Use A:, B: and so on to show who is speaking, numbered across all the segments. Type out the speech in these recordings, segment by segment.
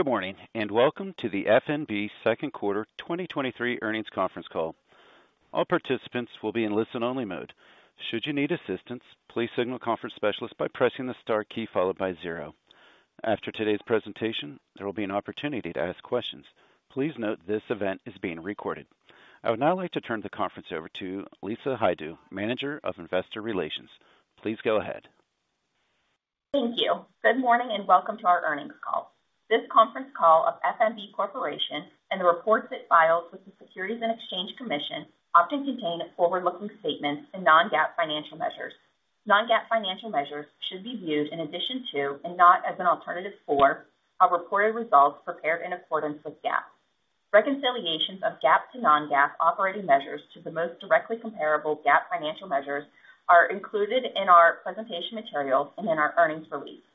A: Good morning, and welcome to the F.N.B. Second Quarter 2023 Earnings Conference Call. All participants will be in listen-only mode. Should you need assistance, please signal a conference specialist by pressing the star key followed by zero. After today's presentation, there will be an opportunity to ask questions. Please note this event is being recorded. I would now like to turn the conference over to Lisa Constantine, Manager of Investor Relations. Please go ahead.
B: Thank you. Good morning, and welcome to our earnings call. This conference call of F.N.B. Corporation and the reports it files with the Securities and Exchange Commission often contain forward-looking statements and non-GAAP financial measures. Non-GAAP financial measures should be viewed in addition to and not as an alternative for our reported results prepared in accordance with GAAP. Reconciliations of GAAP to non-GAAP operating measures to the most directly comparable GAAP financial measures are included in our presentation materials and in our earnings release.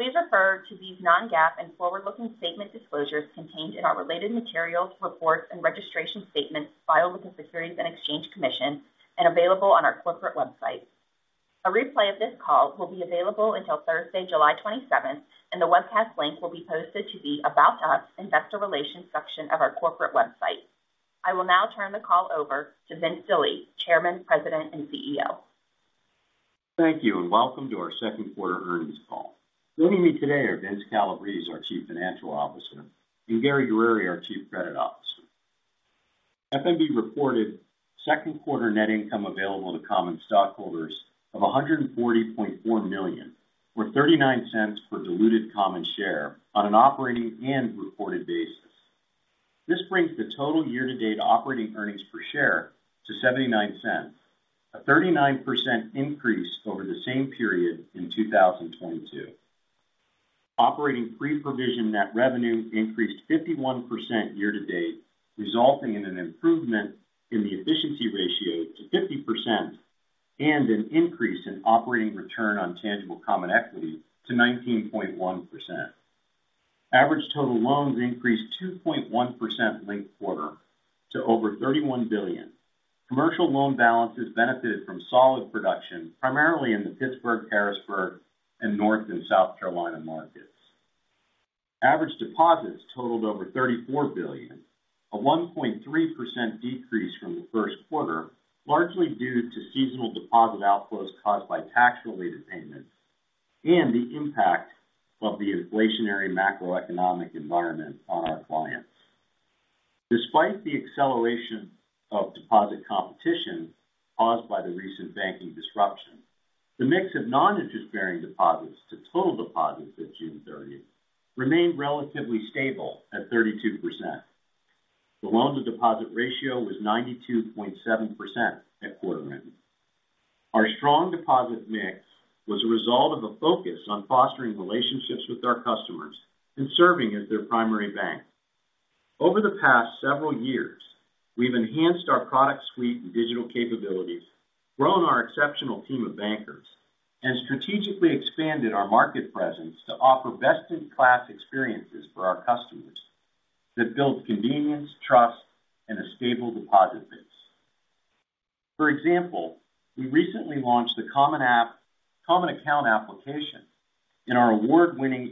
B: Please refer to these non-GAAP and forward-looking statement disclosures contained in our related materials, reports, and registration statements filed with the Securities and Exchange Commission and available on our corporate website. A replay of this call will be available until Thursday, July 27th, and the webcast link will be posted to the About Us Investor Relations section of our corporate website. I will now turn the call over to Vince Delie, Chairman, President, and CEO.
C: Thank you, and welcome to our second quarter earnings call. Joining me today are Vince Calabrese, our Chief Financial Officer, and Gary Guerrieri, our Chief Credit Officer. F.N.B. reported second quarter net income available to common stockholders of $140.4 million, or $0.39 per diluted common share on an operating and reported basis. This brings the total year-to-date operating earnings per share to $0.79, a 39% increase over the same period in 2022. Operating pre-provision net revenue increased 51% year-to-date, resulting in an improvement in the efficiency ratio to 50% and an increase in operating return on tangible common equity to 19.1%. Average total loans increased 2.1% linked quarter to over $31 billion. Commercial loan balances benefited from solid production, primarily in the Pittsburgh, Harrisburg, and North and South Carolina markets. Average deposits totaled over $34 billion, a 1.3% decrease from the first quarter, largely due to seasonal deposit outflows caused by tax-related payments and the impact of the inflationary macroeconomic environment on our clients. Despite the acceleration of deposit competition caused by the recent banking disruption, the mix of non-interest bearing deposits to total deposits at June 30th remained relatively stable at 32%. The loan-to-deposit ratio was 92.7% at quarter end. Our strong deposit mix was a result of a focus on fostering relationships with our customers and serving as their primary bank. Over the past several years, we've enhanced our product suite and digital capabilities, grown our exceptional team of bankers, and strategically expanded our market presence to offer best-in-class experiences for our customers that build convenience, trust, and a stable deposit base. For example, we recently launched the Common Account Application in our award-winning,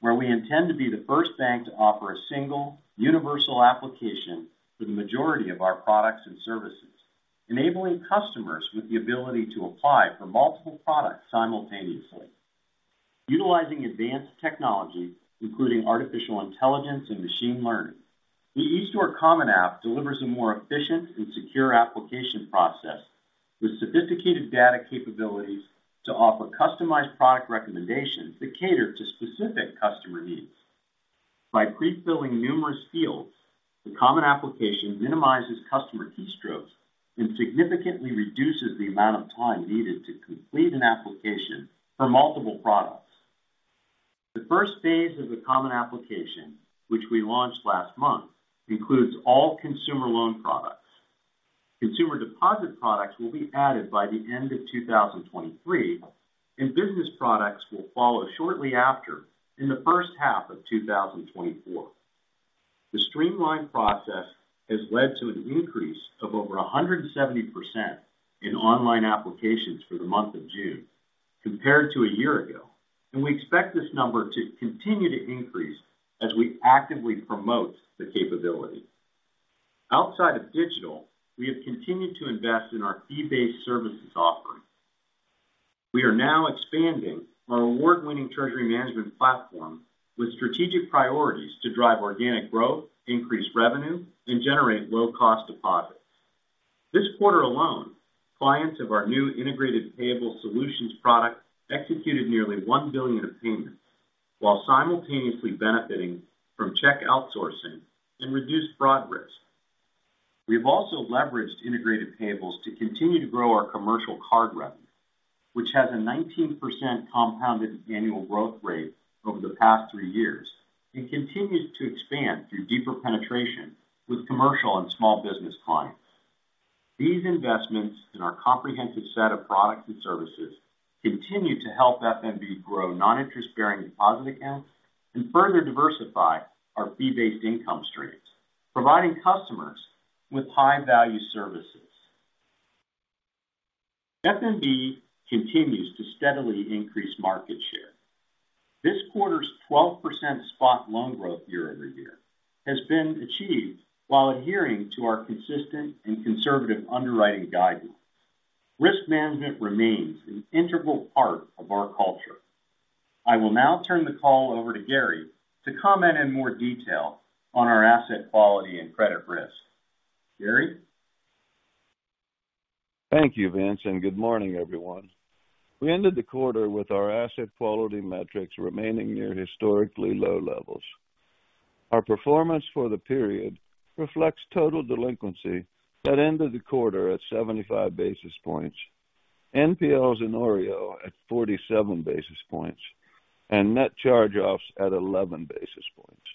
C: where we intend to be the first bank to offer a single universal application for the majority of our products and services, enabling customers with the ability to apply for multiple products simultaneously. Utilizing advanced technology, including artificial intelligence and machine learning, the eStore Common App delivers a more efficient and secure application process with sophisticated data capabilities to offer customized product recommendations that cater to specific customer needs. By pre-filling numerous fields, the Common Application minimizes customer keystrokes and significantly reduces the amount of time needed to complete an application for multiple products. The first phase of the Common Application, which we launched last month, includes all consumer loan products. Consumer deposit products will be added by the end of 2023, and business products will follow shortly after, in the first half of 2024. The streamlined process has led to an increase of over 170% in online applications for the month of June compared to a year ago, and we expect this number to continue to increase as we actively promote the capability. Outside of digital, we have continued to invest in our fee-based services offering. We are now expanding our award-winning treasury management platform with strategic priorities to drive organic growth, increase revenue, and generate low-cost deposits. This quarter alone, clients of our new Integrated Payable Solutions product executed nearly $1 billion of payments while simultaneously benefiting from check outsourcing and reduced fraud risk. We've also leveraged integrated payables to continue to grow our commercial card revenue, which has a 19% compounded annual growth rate over the past three years and continues to expand through deeper penetration with commercial and small business clients. These investments in our comprehensive set of products and services continue to help F.N.B. grow non-interest bearing deposit accounts and further diversify our fee-based income streams, providing customers with high-value services. F.N.B. continues to steadily increase market share. This quarter's 12% spot loan growth year-over-year has been achieved while adhering to our consistent and conservative underwriting guidance. Risk management remains an integral part of our culture. I will now turn the call over to Gary to comment in more detail on our asset quality and credit risk. Gary?
D: Thank you, Vince. Good morning, everyone. We ended the quarter with our asset quality metrics remaining near historically low levels. Our performance for the period reflects total delinquency that ended the quarter at 75 basis points, NPLs and OREO at 47 basis points, and net charge-offs at 11 basis points.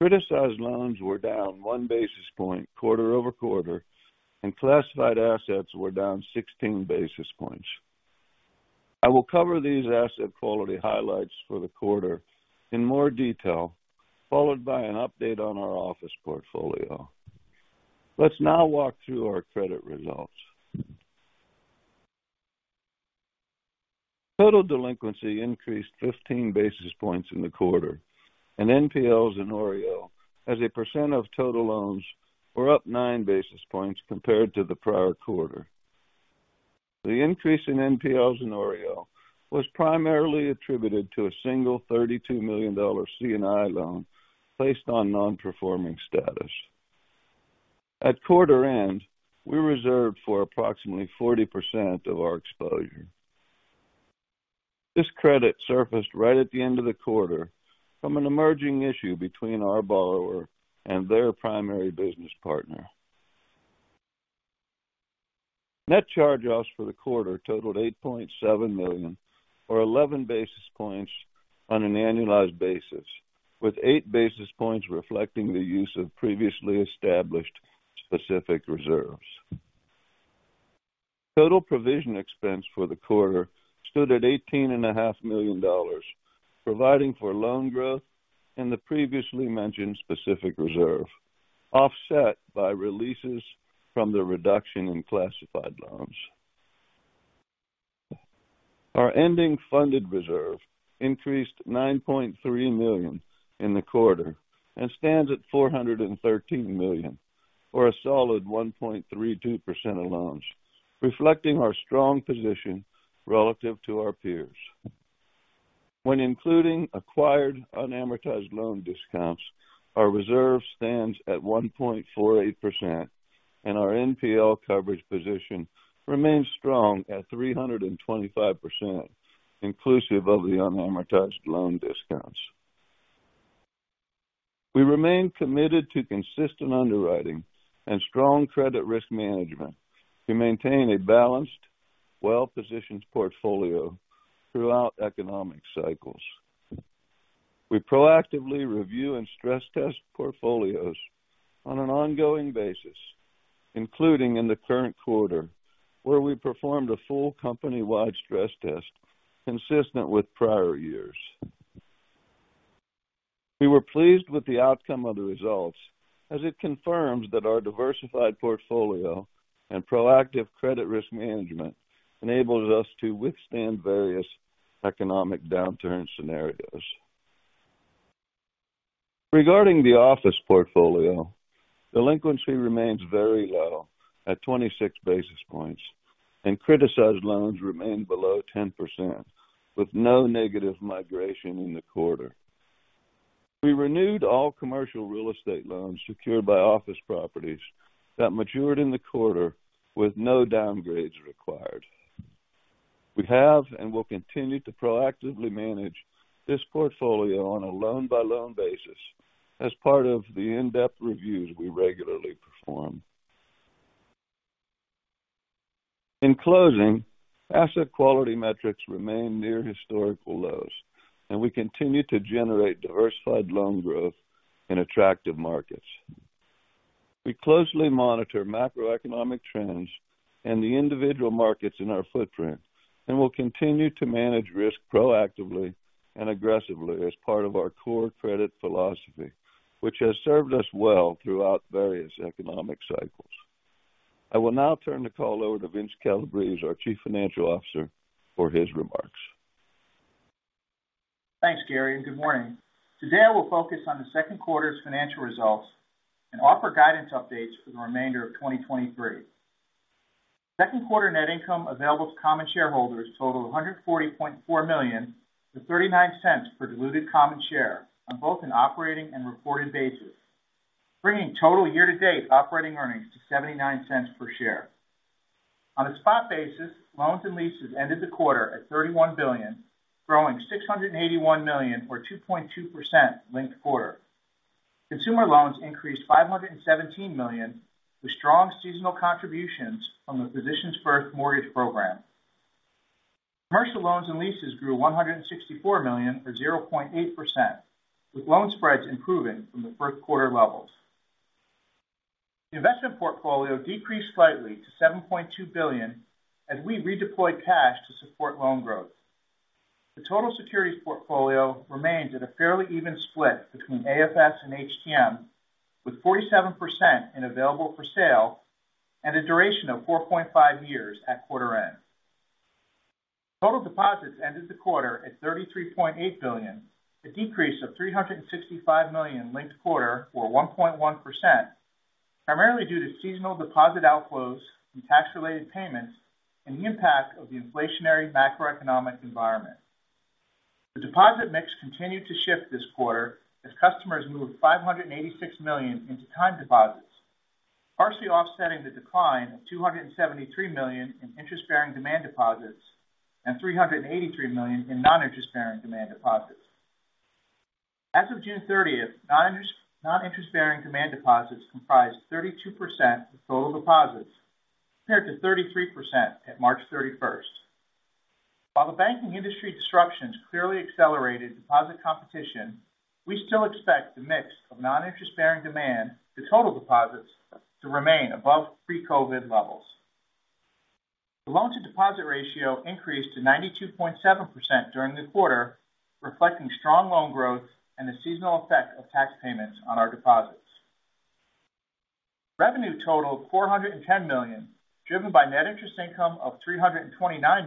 D: Criticized loans were down 1 basis point quarter-over-quarter. Classified assets were down 16 basis points. I will cover these asset quality highlights for the quarter in more detail, followed by an update on our office portfolio. Let's now walk through our credit results. Total delinquency increased 15 basis points in the quarter. NPLs and OREO, as a percent of total loans, were up 9 basis points compared to the prior quarter. The increase in NPLs in OREO was primarily attributed to a single $32 million C&I loan placed on non-performing status. At quarter end, we reserved for approximately 40% of our exposure. This credit surfaced right at the end of the quarter from an emerging issue between our borrower and their primary business partner. Net charge-offs for the quarter totaled $8.7 million, or 11 basis points on an annualized basis, with 8 basis points reflecting the use of previously established specific reserves. Total provision expense for the quarter stood at $18,500,000, providing for loan growth and the previously mentioned specific reserve, offset by releases from the reduction in classified loans. Our ending funded reserve increased $9.3 million in the quarter and stands at $413 million, or a solid 1.32% of loans, reflecting our strong position relative to our peers. When including acquired unamortized loan discounts, our reserve stands at 1.48%, and our NPL coverage position remains strong at 325%, inclusive of the unamortized loan discounts. We remain committed to consistent underwriting and strong credit risk management to maintain a balanced, well-positioned portfolio throughout economic cycles. We proactively review and stress test portfolios on an ongoing basis, including in the current quarter, where we performed a full company-wide stress test consistent with prior years. We were pleased with the outcome of the results, as it confirms that our diversified portfolio and proactive credit risk management enables us to withstand various economic downturn scenarios. Regarding the office portfolio, delinquency remains very low at 26 basis points, and criticized loans remain below 10%, with no negative migration in the quarter. We renewed all commercial real estate loans secured by office properties that matured in the quarter with no downgrades required. We have and will continue to proactively manage this portfolio on a loan-by-loan basis as part of the in-depth reviews we regularly perform. In closing, asset quality metrics remain near historical lows, and we continue to generate diversified loan growth in attractive markets. We closely monitor macroeconomic trends and the individual markets in our footprint, and will continue to manage risk proactively and aggressively as part of our core credit philosophy, which has served us well throughout various economic cycles. I will now turn the call over to Vince Calabrese, our Chief Financial Officer, for his remarks.
E: Thanks, Gary. Good morning. Today, I will focus on the second quarter's financial results and offer guidance updates for the remainder of 2023. Second quarter net income available to common shareholders totaled $140.4 million, to $0.39 per diluted common share on both an operating and reported basis, bringing total year-to-date operating earnings to $0.79 per share. On a spot basis, loans and leases ended the quarter at $31 billion, growing $681 million or 2.2% linked quarter. Consumer loans increased $517 million, with strong seasonal contributions from the Physicians First mortgage program. Commercial loans and leases grew $164 million, or 0.8%, with loan spreads improving from the first quarter levels. The investment portfolio decreased slightly to $7.2 billion as we redeployed cash to support loan growth. The total securities portfolio remains at a fairly even split between AFS and HTM, with 47% in available for sale and a duration of 4.5 years at quarter end. Total deposits ended the quarter at $33.8 billion, a decrease of $365 million linked quarter, or 1.1%, primarily due to seasonal deposit outflows from tax-related payments and the impact of the inflationary macroeconomic environment. The deposit mix continued to shift this quarter as customers moved $586 million into time deposits, partially offsetting the decline of $273 million in interest-bearing demand deposits and $383 million in non-interest-bearing demand deposits. As of June 30th, non-interest-bearing demand deposits comprised 32% of total deposits, compared to 33% at March 31st. The banking industry disruptions clearly accelerated deposit competition, we still expect the mix of non-interest-bearing demand to total deposits to remain above pre-COVID levels. The loan-to-deposit ratio increased to 92.7% during the quarter, reflecting strong loan growth and the seasonal effect of tax payments on our deposits. Revenue totaled $410 million, driven by net interest income of $329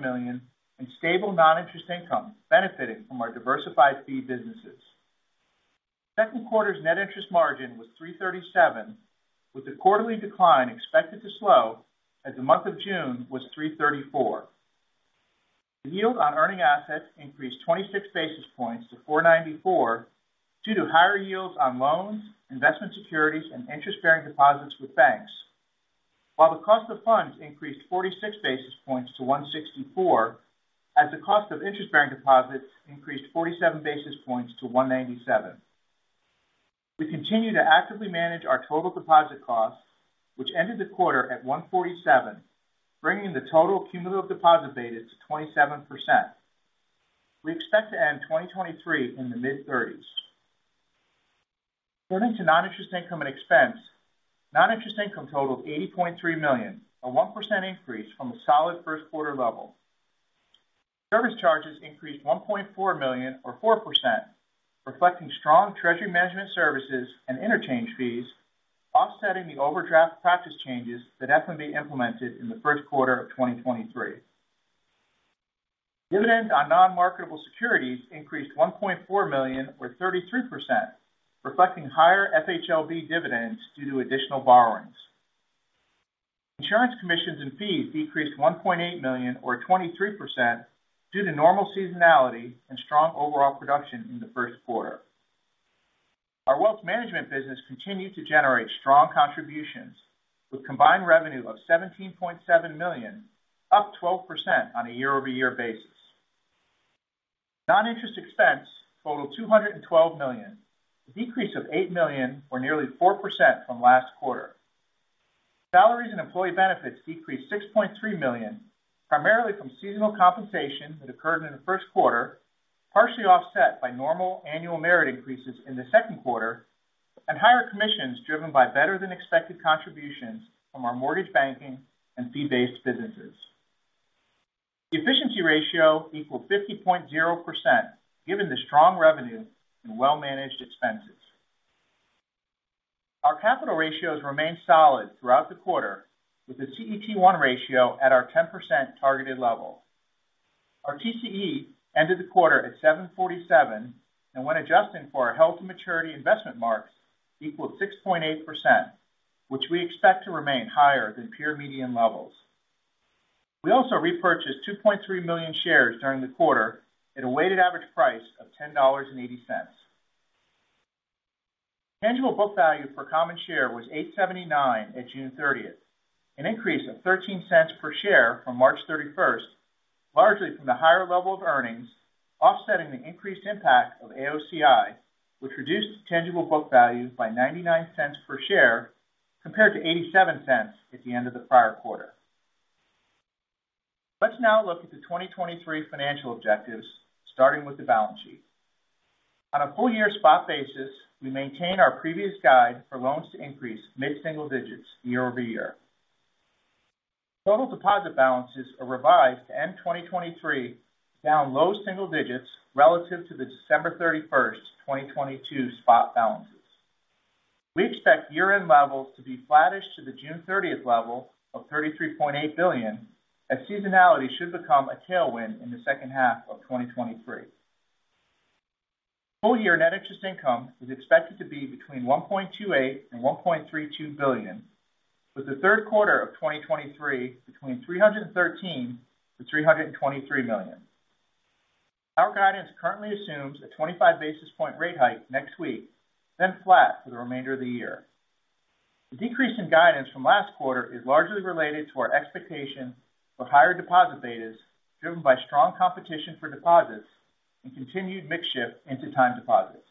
E: million, and stable non-interest income benefiting from our diversified fee businesses. Second quarter's net interest margin was 3.37%, with the quarterly decline expected to slow as the month of June was 3.34%. The yield on earning assets increased 26 basis points to 4.94% due to higher yields on loans, investment securities, and interest-bearing deposits with banks. While the cost of funds increased 46 basis points to 1.64%, as the cost of interest-bearing deposits increased 47 basis points to 1.97%. We continue to actively manage our total deposit costs, which ended the quarter at 1.47%, bringing the total cumulative deposit beta to 27%. We expect to end 2023 in the mid-30s. Turning to non-interest income and expense. Non-interest income totaled $80.3 million, a 1% increase from a solid first quarter level. Service charges increased $1.4 million, or 4%, reflecting strong treasury management services and interchange fees, offsetting the overdraft practice changes that F.N.B. implemented in the first quarter of 2023. Dividends on non-marketable securities increased $1.4 million, or 33%, reflecting higher FHLB dividends due to additional borrowings. Insurance commissions and fees decreased $1.8 million, or 23%, due to normal seasonality and strong overall production in the first quarter. Our wealth management business continued to generate strong contributions, with combined revenue of $17.7 million, up 12% on a year-over-year basis. Non-interest expense totaled $212 million, a decrease of $8 million, or nearly 4% from last quarter. Salaries and employee benefits decreased $6.3 million, primarily from seasonal compensation that occurred in the first quarter, partially offset by normal annual merit increases in the second quarter, and higher commissions driven by better than expected contributions from our mortgage banking and fee-based businesses. The efficiency ratio equals 50.0%, given the strong revenue and well-managed expenses. Our capital ratios remained solid throughout the quarter, with the CET1 ratio at our 10% targeted level. Our TCE ended the quarter at 7.47%, when adjusted for our Heald-to-Maturity investment marks, equaled 6.8%, which we expect to remain higher than peer median levels. We also repurchased 2.3 million shares during the quarter at a weighted average price of $10.80. Tangible book value per common share was $8.79 at June 30th, an increase of $0.13 per share from March 31st, largely from the higher level of earnings, offsetting the increased impact of AOCI, which reduced tangible book value by $0.99 per share, compared to $0.87 at the end of the prior quarter. Let's now look at the 2023 financial objectives, starting with the balance sheet. On a full year spot basis, we maintain our previous guide for loans to increase mid-single digits year-over-year. Total deposit balances are revised to end 2023, down low single digits relative to the December 31st, 2022 spot balances. We expect year-end levels to be flattish to the June 30th level of $33.8 billion, as seasonality should become a tailwind in the second half of 2023. Full year net interest income is expected to be between $1.28 billion and $1.32 billion, with the third quarter of 2023 between $313 million-$323 million. Our guidance currently assumes a 25 basis point rate hike next week, flat for the remainder of the year. The decrease in guidance from last quarter is largely related to our expectations for higher deposit betas, driven by strong competition for deposits and continued mix shift into time deposits.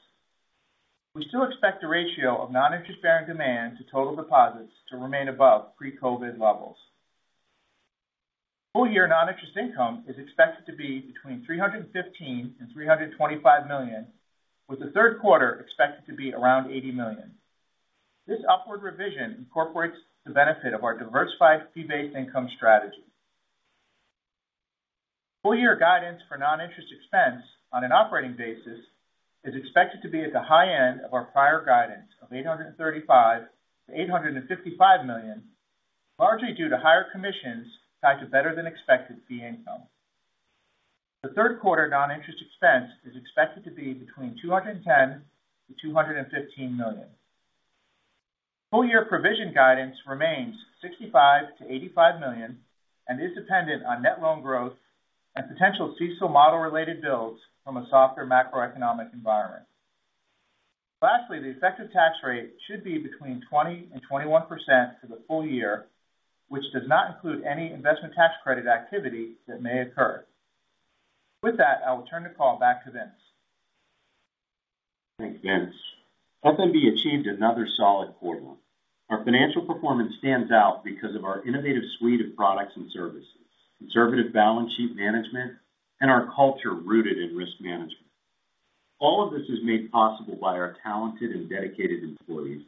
E: We still expect the ratio of non-interest-bearing demand to total deposits to remain above pre-COVID levels. Full year non-interest income is expected to be between $315 million and $325 million, with the third quarter expected to be around $80 million. This upward revision incorporates the benefit of our diversified fee-based income strategy. Full year guidance for non-interest expense on an operating basis is expected to be at the high end of our prior guidance of $835 million-$855 million, largely due to higher commissions tied to better than expected fee income. The third quarter non-interest expense is expected to be between $210 million-$215 million. Full year provision guidance remains $65 million-$85 million and is dependent on net loan growth and potential CECL model related builds from a softer macroeconomic environment. Lastly, the effective tax rate should be between 20% and 21% for the full year, which does not include any investment tax credit activity that may occur. With that, I will turn the call back to Vince.
C: Thanks, Vince. F.N.B. achieved another solid quarter. Our financial performance stands out because of our innovative suite of products and services, conservative balance sheet management, and our culture rooted in risk management. All of this is made possible by our talented and dedicated employees.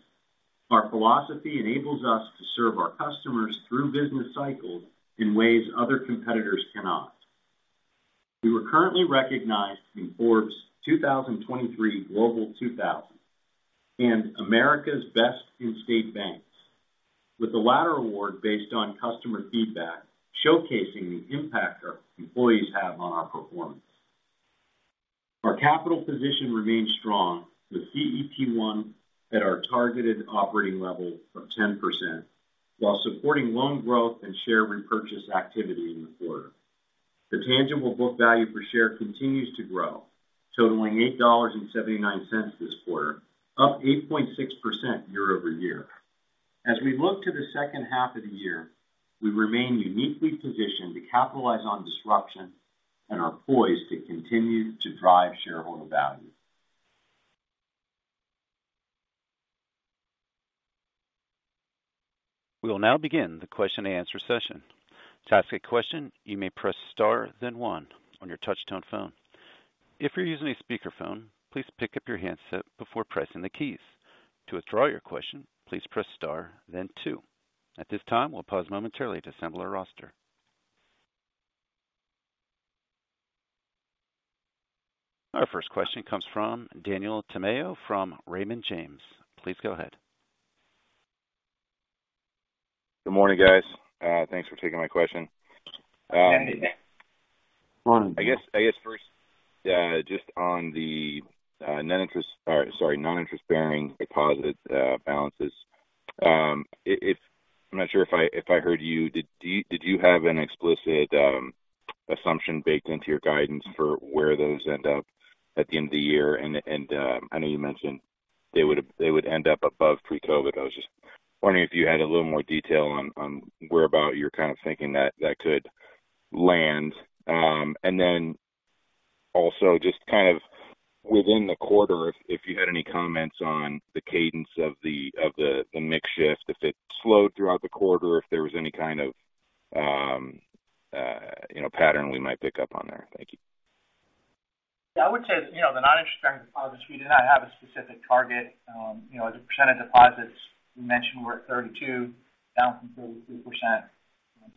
C: Our philosophy enables us to serve our customers through business cycles in ways other competitors cannot. We were currently recognized in Forbes 2023 Global 2000 and America's Best-In-State Banks, with the latter award based on customer feedback, showcasing the impact our employees have on our performance. Our capital position remains strong, with CET1 at our targeted operating level of 10%, while supporting loan growth and share repurchase activity in the quarter. The tangible book value per share continues to grow, totaling $8.79 this quarter, up 8.6% year-over-year. As we look to the second half of the year, we remain uniquely positioned to capitalize on disruption and are poised to continue to drive shareholder value.
A: We will now begin the question and answer session. To ask a question, you may press star, then one on your touchtone phone. If you're using a speakerphone, please pick up your handset before pressing the keys. To withdraw your question, please press star then two. At this time, we'll pause momentarily to assemble our roster. Our first question comes from Daniel Tamayo from Raymond James. Please go ahead.
F: Good morning, guys. Thanks for taking my question.
C: Morning.
F: I guess first, just on the net interest, or sorry, non-interest-bearing deposit balances. It's I'm not sure if I heard you. Did you have an explicit assumption baked into your guidance for where those end up at the end of the year? I know you mentioned they would end up above pre-COVID. I was just wondering if you had a little more detail on whereabout you're kind of thinking that that could land. Also just kind of within the quarter if you had any comments on the cadence of the mix shift, if it slowed throughout the quarter, if there was any kind of you know, pattern we might pick up on there. Thank you.
E: Yeah, I would say, you know, the non-interest bearing deposits, we do not have a specific target. You know, as a percentage of deposits, we mentioned we're at 32, down from 33%.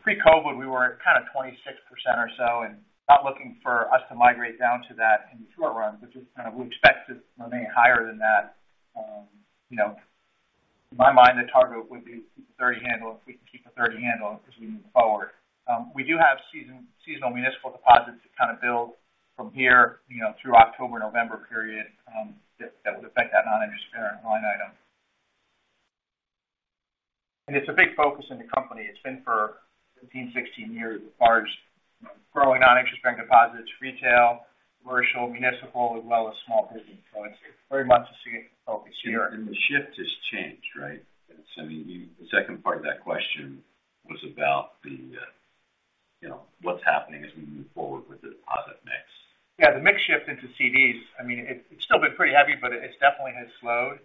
E: Pre-COVID, we were at kind of 26% or so, and not looking for us to migrate down to that in the short run, which is kind of we expect it remaining higher than that. You know in my mind, the target would be to keep the 30 handle, if we can keep the 30 handle as we move forward. We do have seasonal municipal deposits to kind of build from here, you know, through October, November period, that would affect that non-interest bearing line item. It's a big focus in the company. It's been for 15, 16 years, as far as growing non-interest bearing deposits, retail, commercial, municipal, as well as small business. It's very much a key focus here.
F: The shift has changed, right? I mean, the second part of that question was about the, you know, what's happening as we move forward with the deposit mix.
E: Yeah, the mix shift into CDs, I mean, it's still been pretty heavy, but it's definitely has slowed.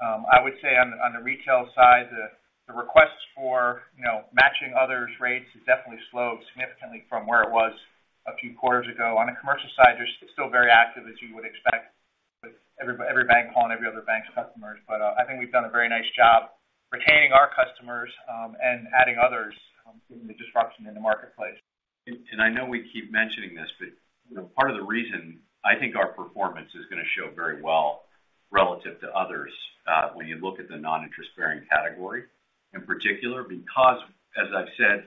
E: I would say on the retail side, the requests for, you know, matching others rates has definitely slowed significantly from where it was a few quarters ago. On a commercial side, they're still very active, as you would expect, with every bank calling every other bank's customers. I think we've done a very nice job retaining our customers, and adding others, given the disruption in the marketplace.
C: I know we keep mentioning this, you know, part of the reason I think our performance is going to show very well relative to others, when you look at the non-interest bearing category, in particular, because as I've said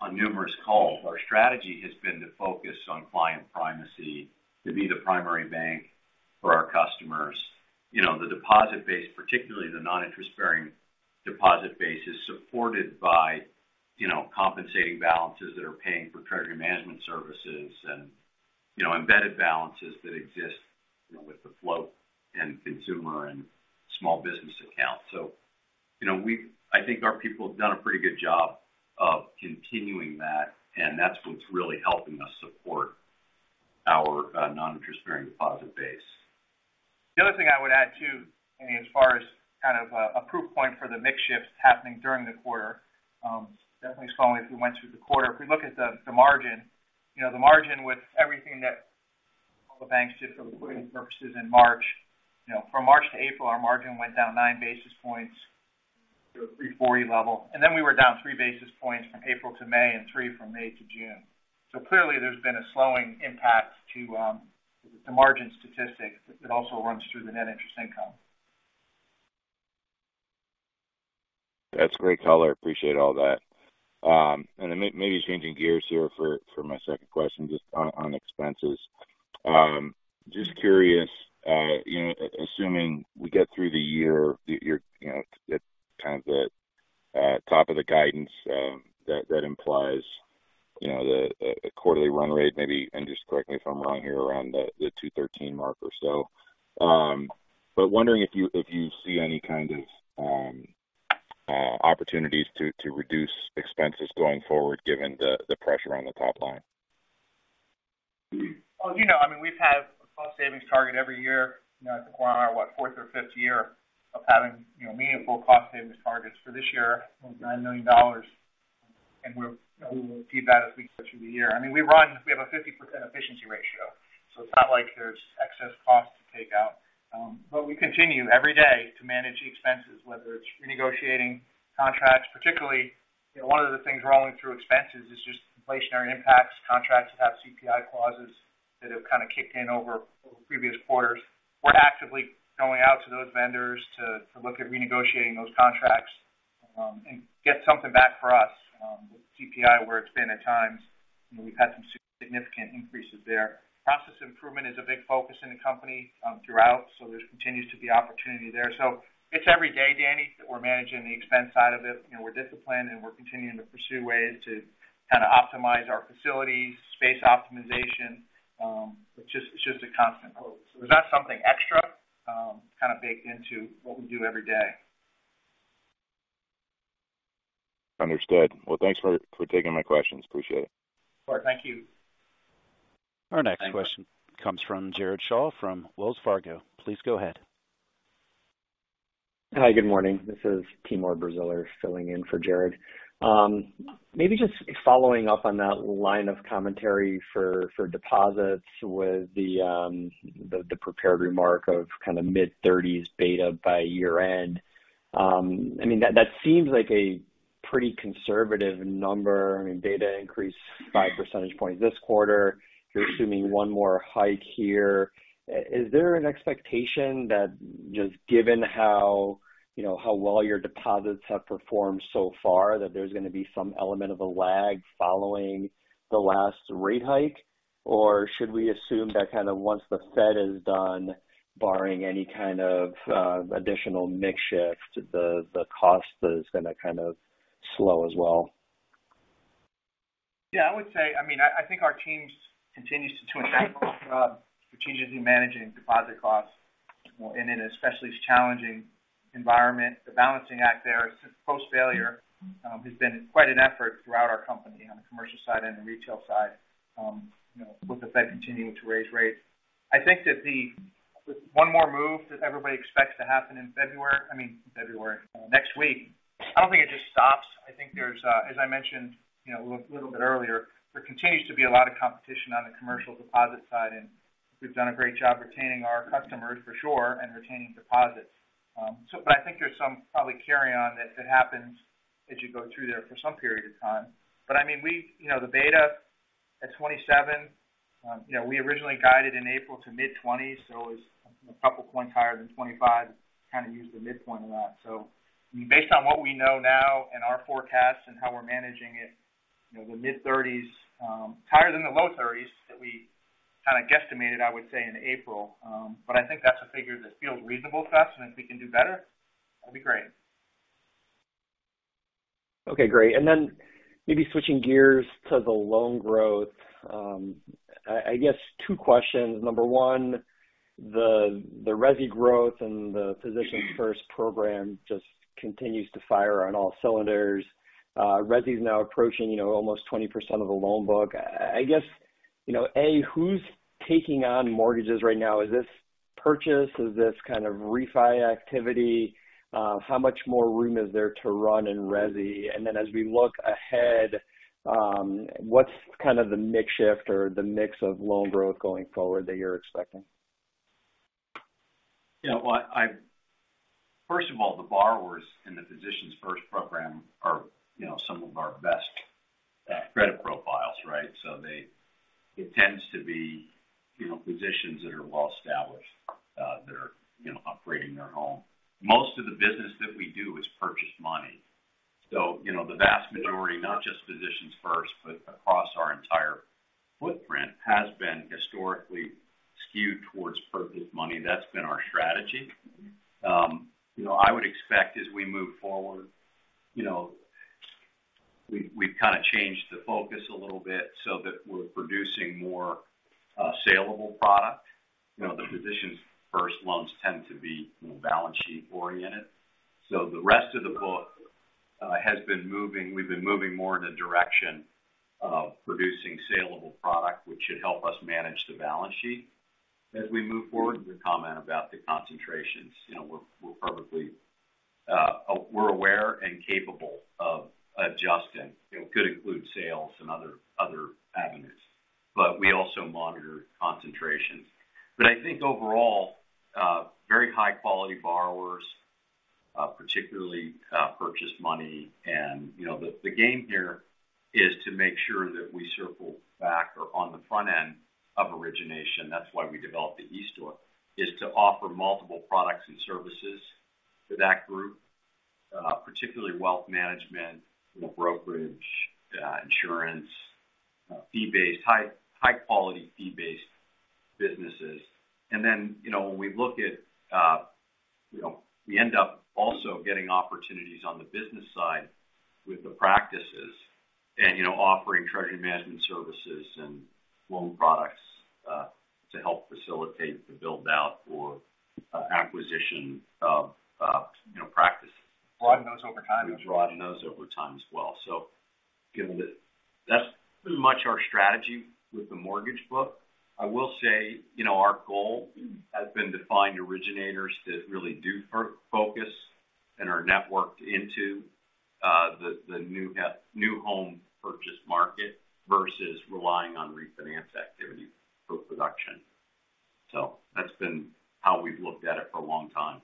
C: on numerous calls, our strategy has been to focus on client primacy, to be the primary bank for our customers. You know, the deposit base, particularly the non-interest bearing deposit base, is supported by, you know, compensating balances that are paying for treasury management services and, you know, embedded balances that exist, you know, with the float in consumer and small business accounts. You know I think our people have done a pretty good job of continuing that, and that's what's really helping us support our non-interest bearing deposit base.
E: The other thing I would add too, I mean as far as kind of a proof point for the mix shift happening during the quarter, definitely strongly if we went through the quarter. If we look at the margin, you know, the margin with everything that all the banks did for the purposes in March. You know, from March to April, our margin went down 9 basis points to a 340 level, and then we were down 3 basis points from April to May and 3 from May to June. Clearly, there's been a slowing impact to the margin statistic that also runs through the net interest income.
F: That's great color. Appreciate all that. Maybe changing gears here for my second question, just on expenses. Just curious, you know, assuming we get through the year, you're, you know, at kind of the top of the guidance, that implies, you know, a quarterly run rate maybe, and just correct me if I'm wrong here, around the 213 mark or so. Wondering if you see any kind of opportunities to reduce expenses going forward, given the pressure on the top line?
E: Well, you know, I mean, we've had a cost savings target every year you know, at the quarter, what? Fourth or fifth year of having you know, meaningful cost savings targets. For this year, it was $9 million, and we will see that as we go through the year. I mean, we run. We have a 50% efficiency ratio, so it's not like there's excess costs to take out. We continue every day to manage the expenses, whether it's renegotiating contracts, particularly, you know, one of the things rolling through expenses is just inflationary impacts, contracts that have CPI clauses that have kind of kicked in over previous quarters. We're actively going out to those vendors to look at renegotiating those contracts, and get something back for us. With CPI where it's been at times, you know, we've had some significant increases there. Process improvement is a big focus in the company throughout. There continues to be opportunity there. It's every day, Danny, that we're managing the expense side of it, and we're disciplined, and we're continuing to pursue ways to kind of optimize our facilities, space optimization, which is just a constant quote. It's not something extra, kind of baked into what we do every day.
F: Understood. Thanks for taking my questions. Appreciate it.
E: All right. Thank you.
A: Our next question comes from Jared Shaw, from Wells Fargo. Please go ahead.
G: Hi, good morning. This is Timur Braziler, filling in for Jared. Maybe just following up on that line of commentary for deposits with the prepared remark of kind of mid-30s beta by year-end. I mean, that seems like a pretty conservative number. I mean beta increased 5 percentage points this quarter. You're assuming 1 more hike here. Is there an expectation that just given how you know, how well your deposits have performed so far, that there's going to be some element of a lag following the last rate hike? Or should we assume that kind of once the Fed is done barring any kind of additional mix shift, the cost is going to kind of slow as well?
E: I would say, I mean, I think our team continues to incredible job, strategically managing deposit costs, you know, and in an especially challenging environment. The balancing act there since post failure has been quite an effort throughout our company on the commercial side and the retail side, you know, with the Fed continuing to raise rates. I think that with one more move that everybody expects to happen in February, I mean next week, I don't think it just stops. I think there's as I mentioned, you know, a little bit earlier, there continues to be a lot of competition on the commercial deposit side, and we've done a great job retaining our customers for sure, and retaining deposits. I think there's some probably carry on that happens as you go through there for some period of time. I mean, we've you know, the beta at 27 you know, we originally guided in April to mid-20s, so it's a couple points higher than 25, kind of use the midpoint a lot. Based on what we know now and our forecasts and how we're managing it, you know, the mid-30s, higher than the low 30s, that we kind of guesstimated, I would say, in April. I think that's a figure that feels reasonable to us, and if we can do better that'd be great.
G: Okay, great. Maybe switching gears to the loan growth. I guess two questions. Number one, the resi growth and the Physicians First program just continues to fire on all cylinders. Resi is now approaching, you know, almost 20% of the loan book. I guess, you know, A, who's taking on mortgages right now? Is this purchase? Is this kind of refi activity? How much more room is there to run in resi? As we look ahead, what's kind of the mix shift or the mix of loan growth going forward that you're expecting?
C: Yeah, well first of all, the borrowers in the Physicians First program are, you know, some of our best credit profiles, right? It tends to be, you know, physicians that are well established, that are, you know, upgrading their home. Most of the business that we do is purchase money. You know, the vast majority, not just Physicians First, but across our entire footprint, has been historically skewed towards purchase money. That's been our strategy. You know, I would expect as we move forward, you've kind of changed the focus a little bit so that we're producing more saleable product. You know, the Physicians First loans tend to be more balance sheet-oriented. The rest of the book has been moving more in a direction of producing saleable product, which should help us manage the balance sheet. As we move forward, the comment about the concentrations, you know, we're aware and capable of adjusting. It could include sales and other avenues, but we also monitor concentration. I think overall, very high quality borrowers, particularly purchase money. You know, the game here is to make sure that we circle back or on the front end of origination, that's why we developed the eStore, is to offer multiple products and services to that group, particularly wealth management, brokerage, insurance, fee-based, high quality fee-based businesses. You know, when we look at you know, we end up also getting opportunities on the business side with the practices and, you know, offering treasury management services and loan products, to help facilitate the build-out or, acquisition of, you know, practices.
E: Broaden those over time.
C: We broaden those over time as well. Given that's pretty much our strategy with the mortgage book. I will say, you know, our goal has been to find originators that really do focus and are networked into the new home purchase market versus relying on refinance activity for production. That's been how we've looked at it for a long time.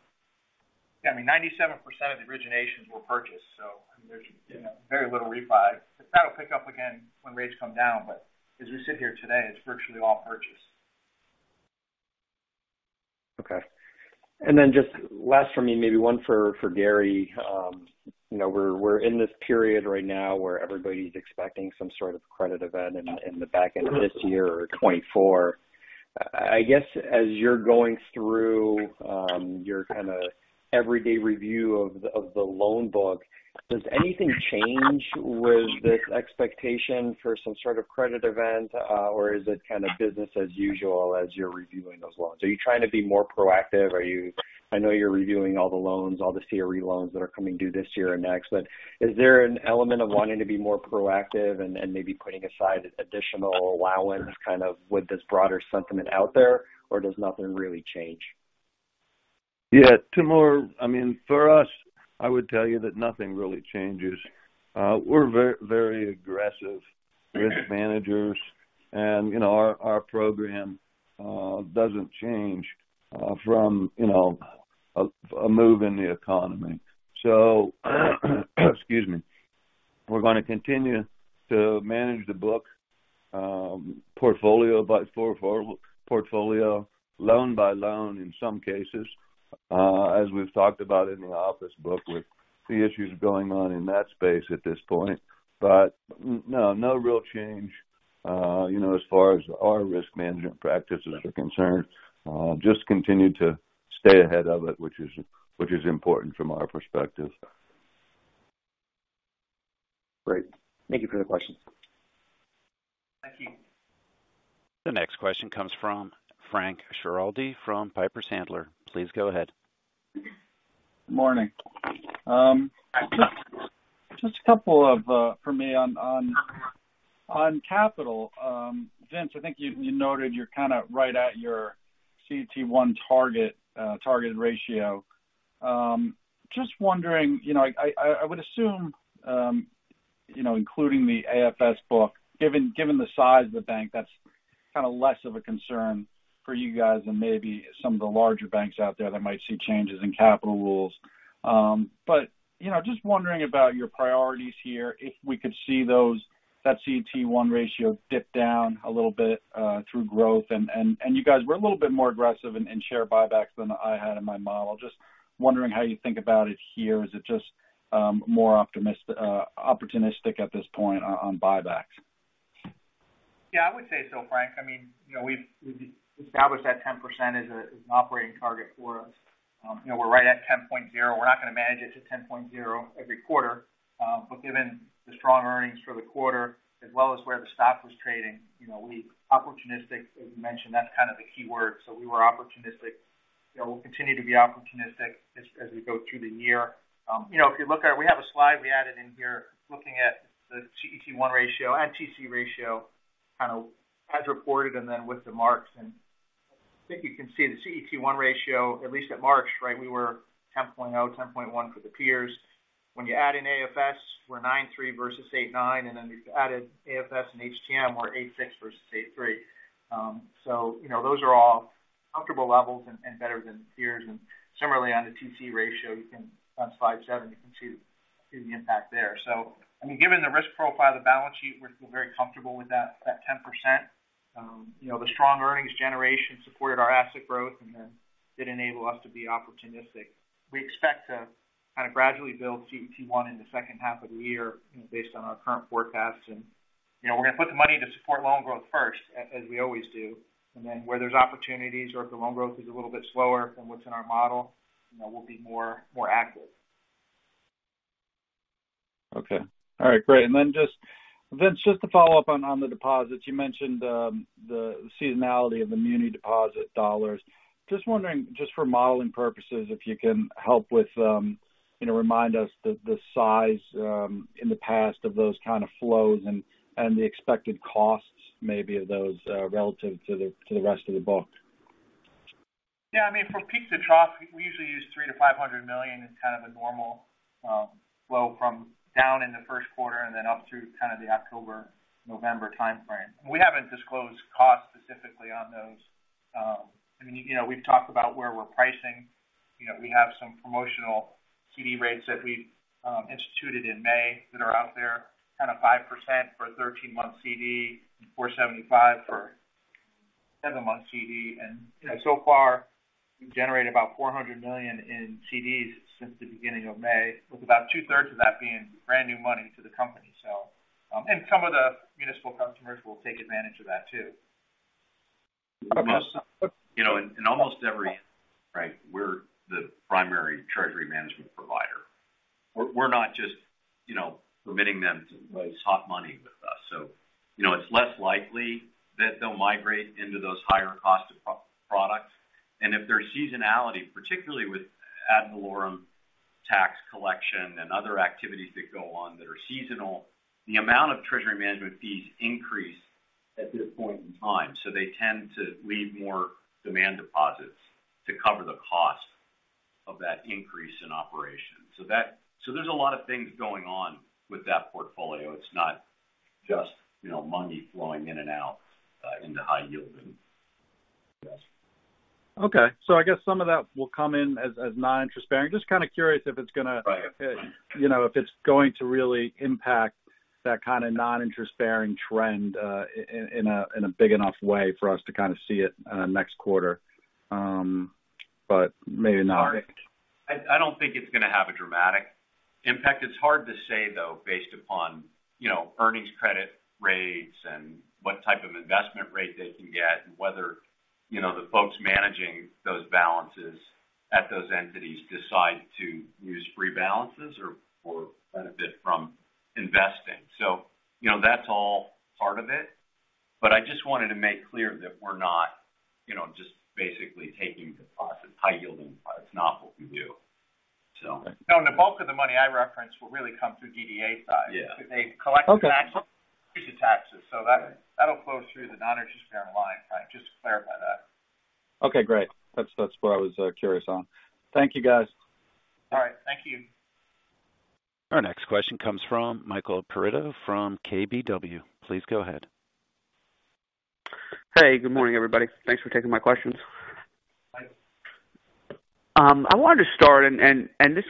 E: I mean, 97% of the originations were purchased, so there's, you know, very little refi. That'll pick up again when rates come down, but as we sit here today, it's virtually all purchase.
G: Okay. Just last for me, maybe one for Gary. You know, we're in this period right now where everybody's expecting some sort of credit event in the, in the back end of this year or 2024. I guess, as you're going through, your kind of everyday review of the, of the loan book, does anything change with this expectation for some sort of credit event, or is it kind of business as usual as you're reviewing those loans? Are you trying to be more proactive? I know you're reviewing all the loans, all the CRE loans that are coming due this year and next, but is there an element of wanting to be more proactive and maybe putting aside additional allowance, kind of with this broader sentiment out there, or does nothing really change?
D: Yeah, Timur, I mean, for us, I would tell you that nothing really changes. We're very, very aggressive risk managers, and, you know, our program doesn't change from, you know, a move in the economy. Excuse me. We're going to continue to manage the book, portfolio by portfolio, loan by loan in some cases, as we've talked about in the office book with the issues going on in that space at this point. No real change, you know, as far as our risk management practices are concerned. Just continue to stay ahead of it, which is important from our perspective.
G: Great. Thank you for the question.
E: Thank you.
A: The next question comes from Frank Schiraldi from Piper Sandler. Please go ahead.
H: Morning. Just a couple of for me on capital. Vince, I think you noted you're kind of right at your CET1 target ratio. Just wondering, you know, I would assume, you know, including the AFS book, given the size of the bank, that's kind of less of a concern for you guys than maybe some of the larger banks out there that might see changes in capital rules. You know, just wondering about your priorities here, if we could see that CET1 ratio dip down a little bit through growth. You guys were a little bit more aggressive in share buybacks than I had in my model. Just wondering how you think about it here. Is it just, more opportunistic at this point on buybacks?
E: Yeah, I would say so, Frank. I mean, you know, we've established that 10% as an operating target for us. You know, we're right at 10.0. We're not going to manage it to 10.0 every quarter. Given the strong earnings for the quarter, as well as where the stock was trading, you know, we opportunistic, as you mentioned, that's kind of the key word. We were opportunistic. You know, we'll continue to be opportunistic as we go through the year. You know, we have a slide we added in here, looking at the CET1 ratio and TCE ratio, kind of as reported and then with the marks. I think you can see the CET1 ratio, at least at March, right, we were 10.0, 10.1 for the peers. When you add in AFS, we're 9.3% versus 8.9%, and then if you added AFS and HTM, we're 8.6% versus 8.3%. You know, those are all comfortable levels and better than peers. Similarly, on the TCE ratio, you can, on slide 7, you can see the impact there. I mean, given the risk profile of the balance sheet, we feel very comfortable with that 10%. You know, the strong earnings generation supported our asset growth and then did enable us to be opportunistic. We expect to kind of gradually build CET1 in the second half of the year, you know, based on our current forecasts. You know, we're going to put the money to support loan growth first, as we always do, and then where there's opportunities or if the loan growth is a little bit slower than what's in our model, you know, we'll be more active.
H: Okay. All right, great. Just Vince, just to follow up on the deposits, you mentioned the seasonality of the muni deposit dollars. Just wondering, just for modeling purposes, if you can help with, you know, remind us the size in the past of those kind of flows and the expected costs maybe of those relative to the rest of the book?
E: From peak to trough, we usually use $300 million-$500 million as kind of a normal flow from down in the first quarter and then up through kind of the October, November time frame. We haven't disclosed costs specifically on those. I mean, you know, we've talked about where we're pricing. You know, we have some promotional CD rates that we instituted in May that are out there, kind of 5% for a 13-month CD, and 4.75% for 7-month CD. So far, we've generated about $400 million in CDs since the beginning of May, with about two-thirds of that being brand new money to the company. And some of the municipal customers will take advantage of that, too.
C: You know, in almost every, right, we're the primary treasury management provider. We're not just, you know, permitting them to park money with us. You know, it's less likely that they'll migrate into those higher cost of products. If there's seasonality, particularly with ad valorem tax collection and other activities that go on that are seasonal, the amount of treasury management fees increase at this point in time. They tend to leave more demand deposits to cover the cost of that increase in operation. There's a lot of things going on with that portfolio. It's not just, you know, money flowing in and out, into high yield and, yes.
H: Okay. I guess some of that will come in as non-interest bearing. Just kind of curious if it's going to-
C: Right.
H: You know, if it's going to really impact that kind of non-interest bearing trend, in a big enough way for us to kind of see it next quarter. Maybe not.
C: I don't think it's going to have a dramatic impact. It's hard to say, though, based upon, you know, Earnings Credit Rate and what type of investment rate they can get, and whether, you know, the folks managing those balances at those entities decide to use free balances or benefit from investing. You know, that's all part of it. I just wanted to make clear that we're not, you know, just basically taking deposits, high yielding deposits, it's not what we do.
E: No, the bulk of the money I referenced will really come through DDA side.
C: Yeah.
E: Because they
H: Okay.
E: taxes, so that'll flow through the non-interest bearing line. I just clarify that.
H: Okay, great. That's what I was curious on. Thank you, guys.
E: All right. Thank you.
A: Our next question comes from Michael Perito from KBW. Please go ahead.
I: Hey, good morning, everybody. Thanks for taking my questions.
E: Hi.
I: I wanted to start, and this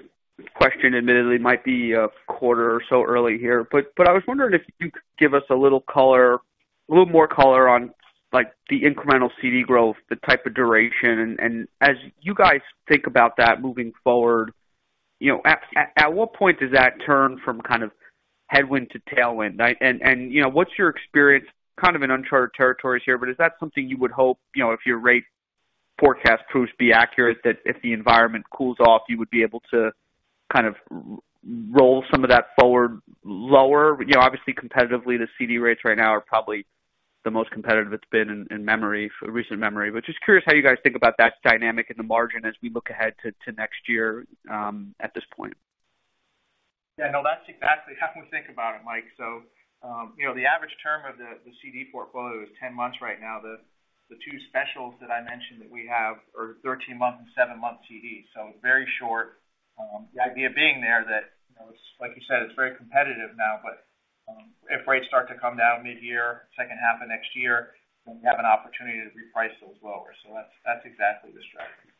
I: question admittedly might be a quarter or so early here, but I was wondering if you could give us a little more color on, like, the incremental CD growth, the type of duration, and as you guys think about that moving forward, you know, at what point does that turn from kind of headwind to tailwind? You know, what's your experience? Kind of an uncharted territory here, but is that something you would hope, you know, if your rate forecast proves to be accurate, that if the environment cools off, you would be able to kind of roll some of that forward, lower? You know, obviously, competitively, the CD rates right now are probably the most competitive it's been in memory, recent memory. Just curious how you guys think about that dynamic in the margin as we look ahead to next year, at this point.
E: Yeah, no, that's exactly how we think about it, Mike. You know, the average term of the CD portfolio is 10 months right now. The two specials that I mentioned that we have are 13-month and 7-month CDs, so very short. The idea being there that, you know, it's like you said, it's very competitive now, but if rates start to come down midyear, second half of next year, then we have an opportunity to reprice those lower. That's exactly the strategy.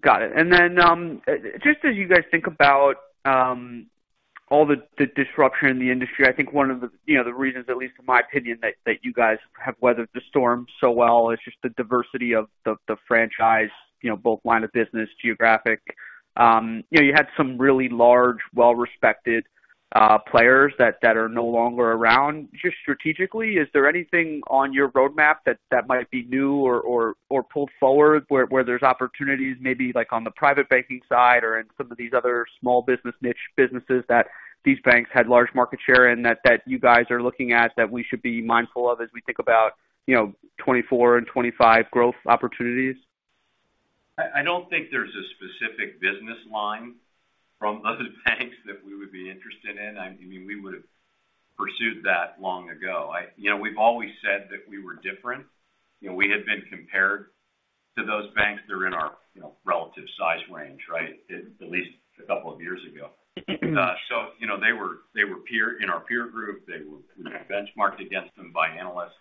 I: Got it. Then, just as you guys think about, all the disruption in the industry, I think one of the, you know, the reasons, at least in my opinion, that you guys have weathered the storm so well, is just the diversity of the franchise, you know, both line of business, geographic. You know, you had some really large, well-respected players that are no longer around. Just strategically, is there anything on your roadmap that might be new or pulled forward, where there's opportunities maybe like on the private banking side or in some of these other small business niche businesses, that these banks had large market share and that you guys are looking at, that we should be mindful of as we think about, you know, 2024 and 2025 growth opportunities?
C: I don't think there's a specific business line from other banks that we would be interested in. I mean, we would have pursued that long ago. You know, we've always said that we were different. You know, we had been compared to those banks that are in our, you know, relative size range, right? At least a couple of years ago.
I: Mm-hmm.
C: You know, they were in our peer group, they were benchmarked against them by analysts.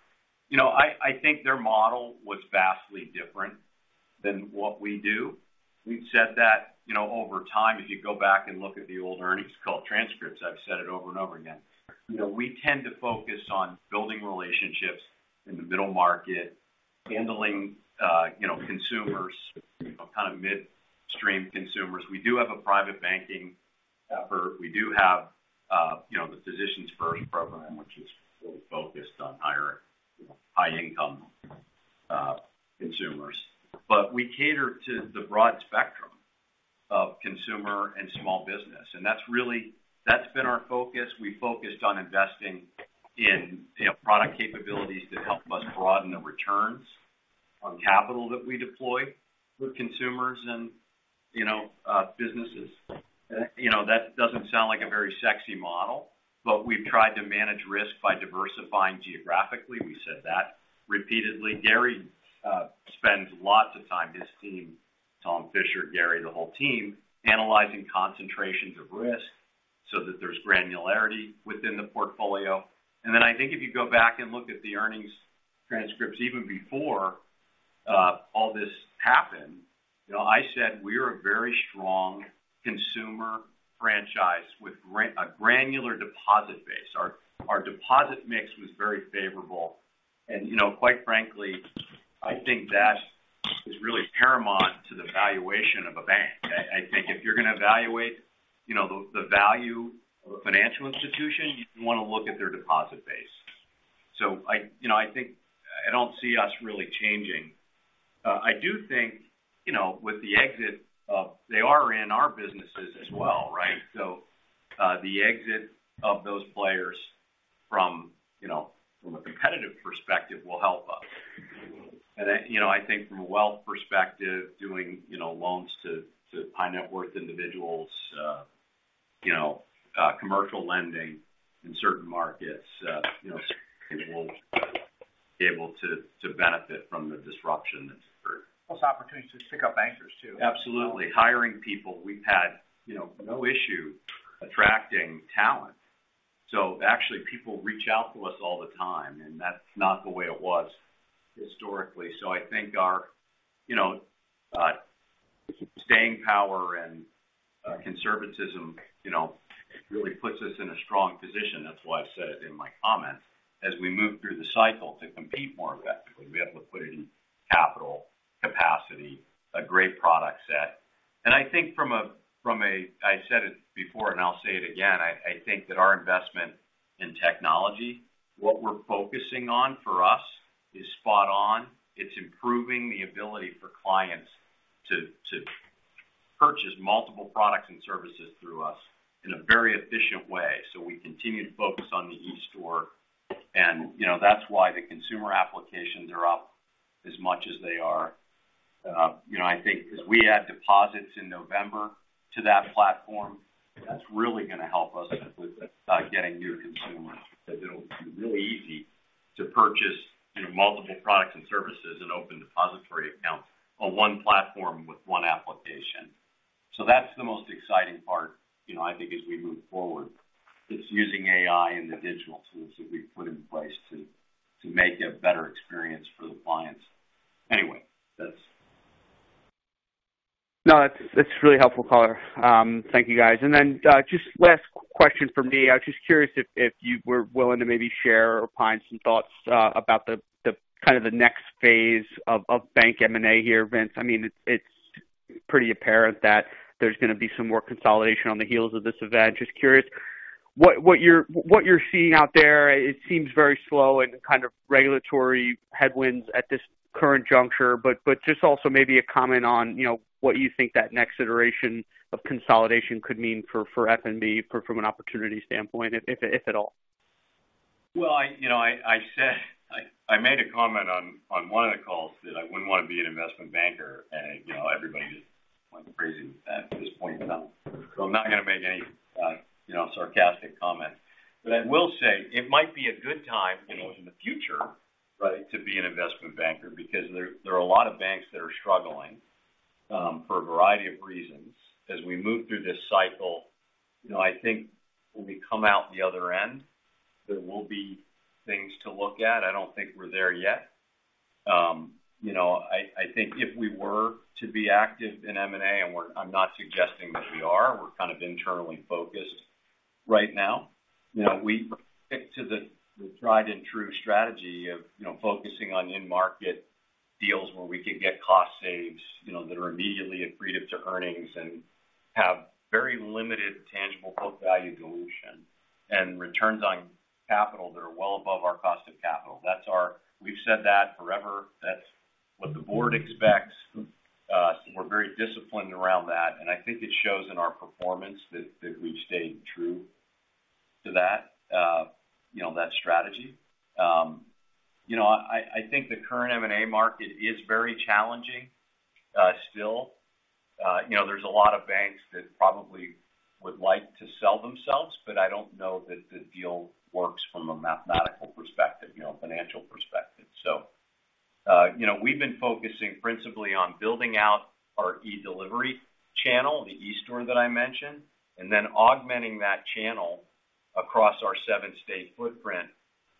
C: You know, I think their model was vastly different than what we do. We've said that, you know, over time, if you go back and look at the old earnings call transcripts, I've said it over and over again. You know, we tend to focus on building relationships in the middle market, handling, you know, consumers, you know, kind of midstream consumers. We do have a private banking effort. We do have, you know, the Physicians First program, which is really focused on higher, high-income, consumers. We cater to the broad spectrum of consumer and small business, and that's really been our focus. We focused on investing in, you know, product capabilities that help us broaden the returns.... on capital that we deploy with consumers and, you know, businesses. You know, that doesn't sound like a very sexy model, but we've tried to manage risk by diversifying geographically. We said that repeatedly. Gary spends lots of time, his team, Thomas Fisher, Gary, the whole team, analyzing concentrations of risk so that there's granularity within the portfolio. Then I think if you go back and look at the earnings transcripts, even before all this happened, you know, I said we're a very strong consumer franchise with a granular deposit base. Our, our deposit mix was very favorable. You know, quite frankly, I think that is really paramount to the valuation of a bank. I think if you're going to evaluate, you know, the value of a financial institution, you want to look at their deposit base. I, you know, I think I don't see us really changing. I do think, you know, with the exit of-- they are in our businesses as well, right? The exit of those players from, you know, from a competitive perspective, will help us. I, you know, I think from a wealth perspective, doing, you know, loans to high net worth individuals, you know, commercial lending in certain markets, you know, we'll be able to benefit from the disruption that's occurred.
I: Plus, opportunities to pick up bankers, too.
C: Absolutely. Hiring people, we've had, you know, no issue attracting talent. Actually, people reach out to us all the time, and that's not the way it was historically. I think our, you know, staying power and conservatism, you know, it really puts us in a strong position. That's why I've said it in my comments. As we move through the cycle to compete more effectively, we have liquidity, capital, capacity, a great product set. I think from a, I said it before, and I'll say it again, I think that our investment in technology, what we're focusing on for us, is spot on. It's improving the ability for clients to purchase multiple products and services through us in a very efficient way. We continue to focus on the eStore, and, you know, that's why the consumer applications are up as much as they are. You know, I think because we add deposits in November to that platform, that's really going to help us with getting new consumers, because it'll be really easy to purchase, you know, multiple products and services and open depository accounts on one platform with one application. That's the most exciting part, you know, I think as we move forward, it's using AI and digital tools that we've put in place to make a better experience for the clients. Anyway, that's.
I: No, it's really helpful, caller. Thank you, guys. Just last question from me. I was just curious if you were willing to maybe share or provide some thoughts about the kind of the next phase of bank M&A here, Vince. I mean, it's pretty apparent that there's going to be some more consolidation on the heels of this event. Just curious, what you're seeing out there, it seems very slow and kind of regulatory headwinds at this current juncture, but just also maybe a comment on, you know, what you think that next iteration of consolidation could mean for F.N.B., from an opportunity standpoint, if at all.
C: Well, I, you know, I made a comment on one of the calls that I wouldn't want to be an investment banker. You know, everybody is going crazy at this point in time. I'm not going to make any, you know, sarcastic comment. I will say it might be a good time, you know, in the future, right, to be an investment banker, because there are a lot of banks that are struggling for a variety of reasons. As we move through this cycle, you know, I think when we come out the other end, there will be things to look at. I don't think we're there yet. You know, I think if we were to be active in M&A, I'm not suggesting that we are, we're kind of internally focused right now. You know, we stick to the tried-and-true strategy of, you know, focusing on in-market deals where we can get cost saves, you know, that are immediately accretive to earnings and have very limited tangible book value dilution and returns on capital that are well above our cost of capital. That's our, we've said that forever. That's what the board expects. We're very disciplined around that, and I think it shows in our performance that we've stayed true to that, you know, that strategy. You know, I think the current M&A market is very challenging, still. You know, there's a lot of banks that probably would like to sell themselves, I don't know that the deal works from a mathematical perspective, you know, financial perspective. You know, we've been focusing principally on building out our e-delivery channel, the eStore that I mentioned, and then augmenting that channel across our seven-state footprint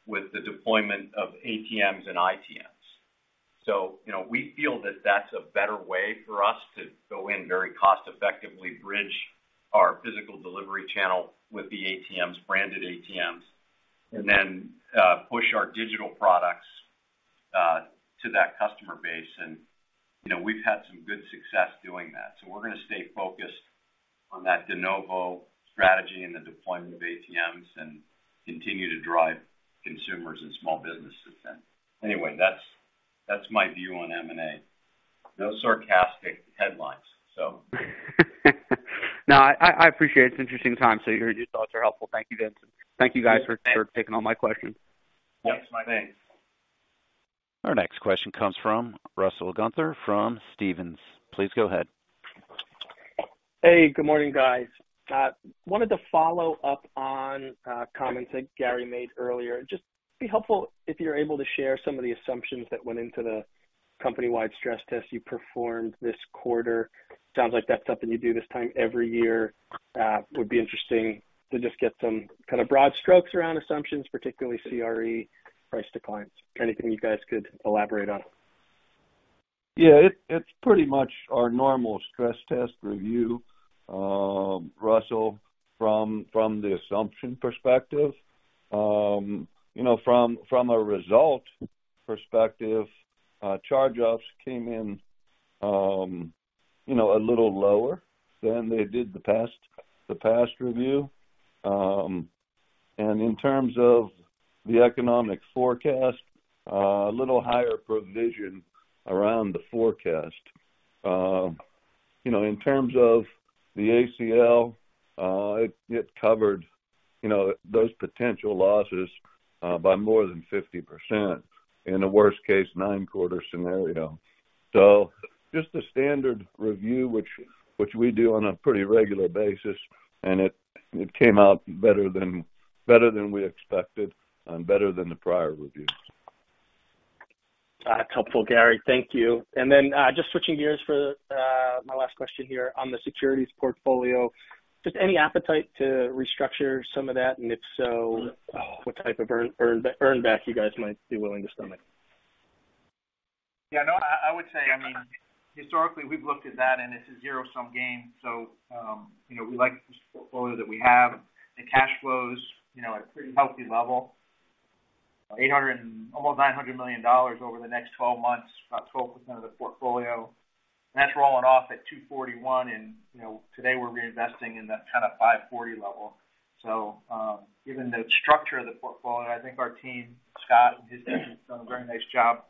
C: with the deployment of ATMs and ITMs. You know, we feel that that's a better way for us to go in very cost effectively, bridge our physical delivery channel with the ATMs, branded ATMs, and then push our digital products to that customer base. You know, we've had some good success doing that. We're going to stay focused on that de novo strategy and the deployment of ATMs and continue to drive consumers and small businesses then. That's, that's my view on M&A....
E: no sarcastic headlines, so.
I: No, I appreciate it. It's an interesting time, so your thoughts are helpful. Thank you, Vincent. Thank you, guys, for taking all my questions.
E: Thanks, Mike.
A: Our next question comes from Russell Gunther from Stephens. Please go ahead.
J: Hey, good morning, guys. Wanted to follow up on comments that Gary made earlier. Just be helpful if you're able to share some of the assumptions that went into the company-wide stress test you performed this quarter. Sounds like that's something you do this time every year. Would be interesting to just get some kind of broad strokes around assumptions, particularly CRE price declines. Anything you guys could elaborate on?
D: Yeah, it's pretty much our normal stress test review, Russell, from the assumption perspective. You know, from a result perspective, charge-offs came in, you know, a little lower than they did the past review. In terms of the economic forecast, a little higher provision around the forecast. You know, in terms of the ACL, it covered, you know, those potential losses by more than 50% in a worst case, nine-quarter scenario. Just a standard review, which we do on a pretty regular basis, and it came out better than we expected and better than the prior reviews.
J: Helpful, Gary. Thank you. Then, just switching gears for my last question here on the securities portfolio, just any appetite to restructure some of that, and if so, what type of earn back you guys might be willing to stomach?
E: Yeah, no, I would say, I mean, historically, we've looked at that, and it's a zero-sum game. You know, we like this portfolio that we have. The cash flows, you know, are pretty healthy level, $800 million and almost $900 million over the next 12 months, about 12% of the portfolio. That's rolling off at 241, and, you know, today we're reinvesting in that kind of 540 level. Given the structure of the portfolio, I think our team, Scott and his team, have done a very nice job,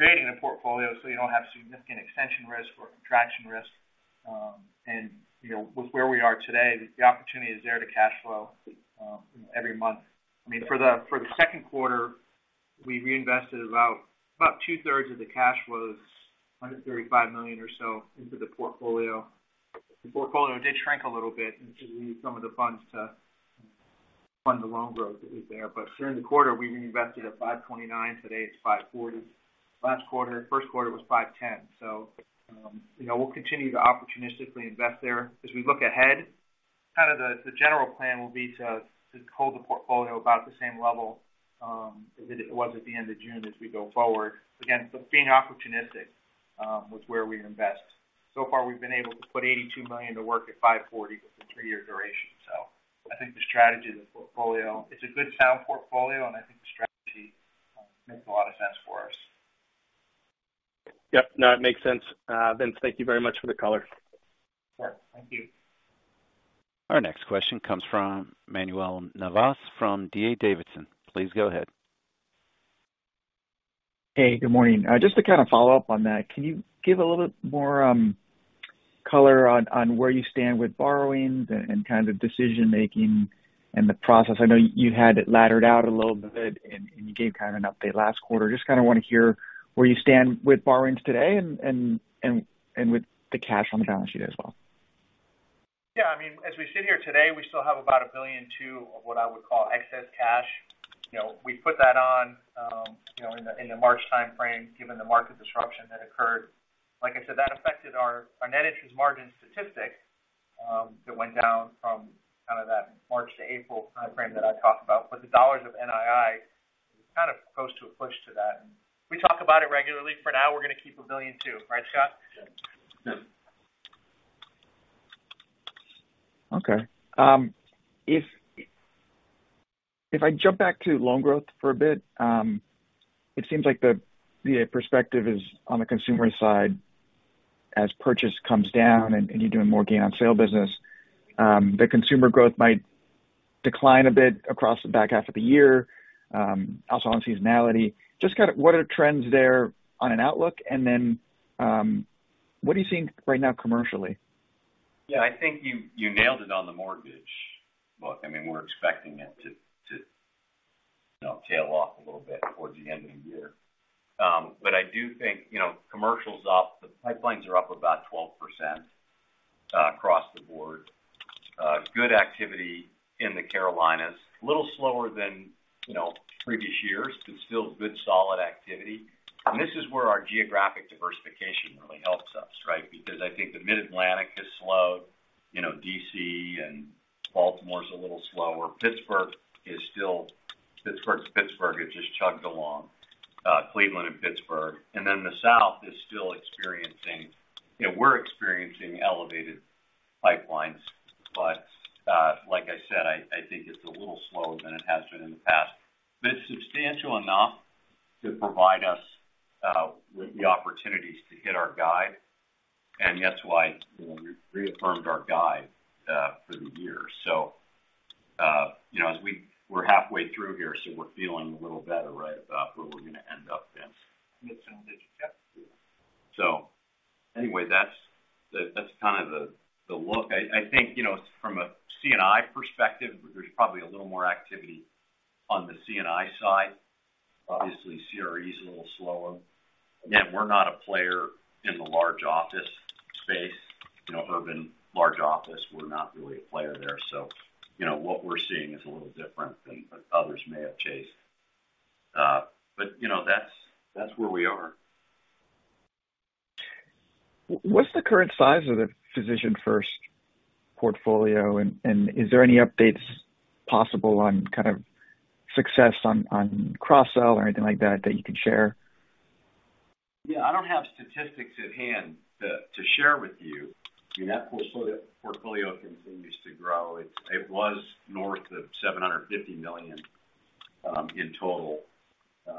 E: creating a portfolio so you don't have significant extension risk or contraction risk. You know, with where we are today, the opportunity is there to cash flow, every month. I mean, for the second quarter, we reinvested about two-thirds of the cash flows, $135 million or so, into the portfolio. The portfolio did shrink a little bit since we used some of the funds to fund the loan growth that was there. During the quarter, we reinvested at 5.29%. Today, it's 5.40%. Last quarter, first quarter was 5.10%. You know, we'll continue to opportunistically invest there. As we look ahead, kind of the general plan will be to hold the portfolio about the same level as it was at the end of June as we go forward. Again, being opportunistic with where we invest. So far, we've been able to put $82 million to work at 5.40% with a three-year duration. I think the strategy of the portfolio, it's a good sound portfolio, and I think the strategy makes a lot of sense for us.
J: Yep. No, it makes sense. Vince, thank you very much for the color.
E: Sure. Thank you.
A: Our next question comes from Manuel Navas, from D.A. Davidson. Please go ahead.
K: Hey, good morning. Just to kind of follow up on that, can you give a little bit more color on where you stand with borrowings and kind of decision-making and the process? I know you had it laddered out a little bit, and you gave kind of an update last quarter. Just kind of want to hear where you stand with borrowings today and with the cash on the balance sheet as well.
E: I mean, as we sit here today, we still have about $1.2 billion of what I would call excess cash. You know, we put that on, you know, in the March timeframe, given the market disruption that occurred. Like I said, that affected our net interest margin statistic, that went down from kind of that March to April timeframe that I talked about. The dollars of NII, kind of close to a push to that. We talk about it regularly. For now, we're going to keep $1.2 billion. Right, Scott?
D: Yeah.
K: Okay, if I jump back to loan growth for a bit, it seems like the perspective is on the consumer side as purchase comes down and you're doing more gain on sale business, the consumer growth might decline a bit across the back half of the year, also on seasonality. Just kind of what are the trends there on an outlook? What are you seeing right now commercially?
E: Yeah, I think you nailed it on the mortgage. Look, I mean, we're expecting it to, you know, tail off a little bit towards the end of the year. I do think, you know, commercial's up. The pipelines are up about 12% across the board. Good activity in the Carolinas. A little slower than, you know, previous years, but still good, solid activity. This is where our geographic diversification really helps us, right? Because I think the Mid-Atlantic has slowed. You know, D.C. and Baltimore is a little slower. Pittsburgh is Pittsburgh. It just chugged along, Cleveland and Pittsburgh. Then the South is still experiencing... You know, we're experiencing elevated pipelines. Like I said, I think it's a little slower than it has been in the past, but substantial enough to provide us with the opportunities to hit our guide, and that's why, you know, we reaffirmed our guide for the year....
C: you know, as we're halfway through here, so we're feeling a little better, right, about where we're going to end up, Vince.
E: Yeah.
C: Anyway, that's kind of the look. I think, you know, from a C&I perspective, there's probably a little more activity on the C&I side. Obviously, CRE is a little slower. Again, we're not a player in the large office space, you know, urban large office, we're not really a player there. You know, what we're seeing is a little different than others may have chased. You know, that's where we are.
K: What's the current size of the Physicians First portfolio? Is there any updates possible on kind of success on cross-sell or anything like that you can share?
C: Yeah, I don't have statistics at hand to share with you. I mean, that portfolio continues to grow. It was north of $750 million in total.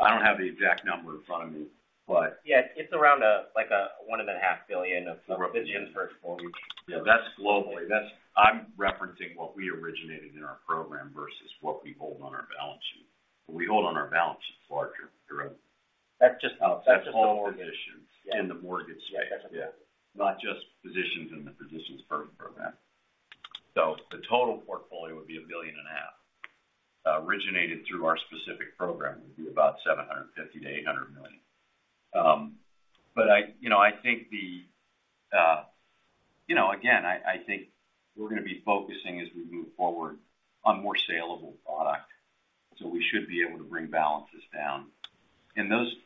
C: I don't have the exact number in front of me, but-
E: Yeah, it's around, like, $1.5 billion of Physicians First portfolio.
C: Yeah, that's globally. I'm referencing what we originated in our program versus what we hold on our balance sheet. What we hold on our balance sheet is larger, throughout.
E: That's.
C: That's all physicians in the mortgage space.
E: Yeah, that's it.
C: Not just physicians in the Physicians First program. The total portfolio would be a billion and a half. Originated through our specific program, would be about $750 million-$800 million. I, you know, I think, you know, again, I think we're going to be focusing as we move forward on more saleable product, so we should be able to bring balances down.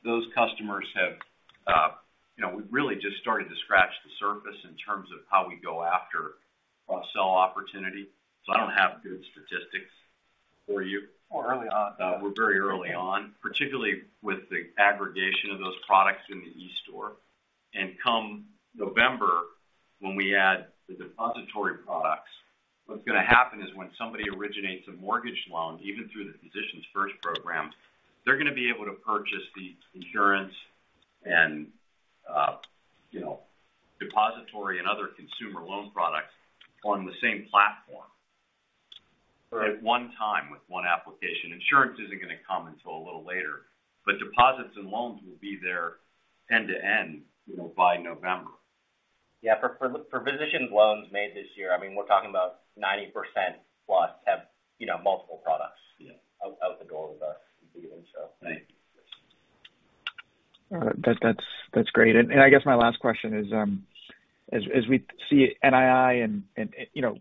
C: Those customers have, you know, we've really just started to scratch the surface in terms of how we go after cross-sell opportunity, so I don't have good statistics for you.
E: We're early on.
C: We're very early on, particularly with the aggregation of those products in the eStore. Come November, when we add the depository products, what's going to happen is when somebody originates a mortgage loan, even through the Physicians First program, they're going to be able to purchase the insurance and, you know, depository and other consumer loan products on the same platform, at 1 time with 1 application. Insurance isn't going to come until a little later, but deposits and loans will be there end to end, you know, by November.
E: Yeah, for physicians loans made this year, I mean, we're talking about 90% plus have, you know, multiple products.
C: Yeah.
E: Out the door with us.
C: Right.
K: All right. That's great. I guess my last question is, as we see NII and, you know,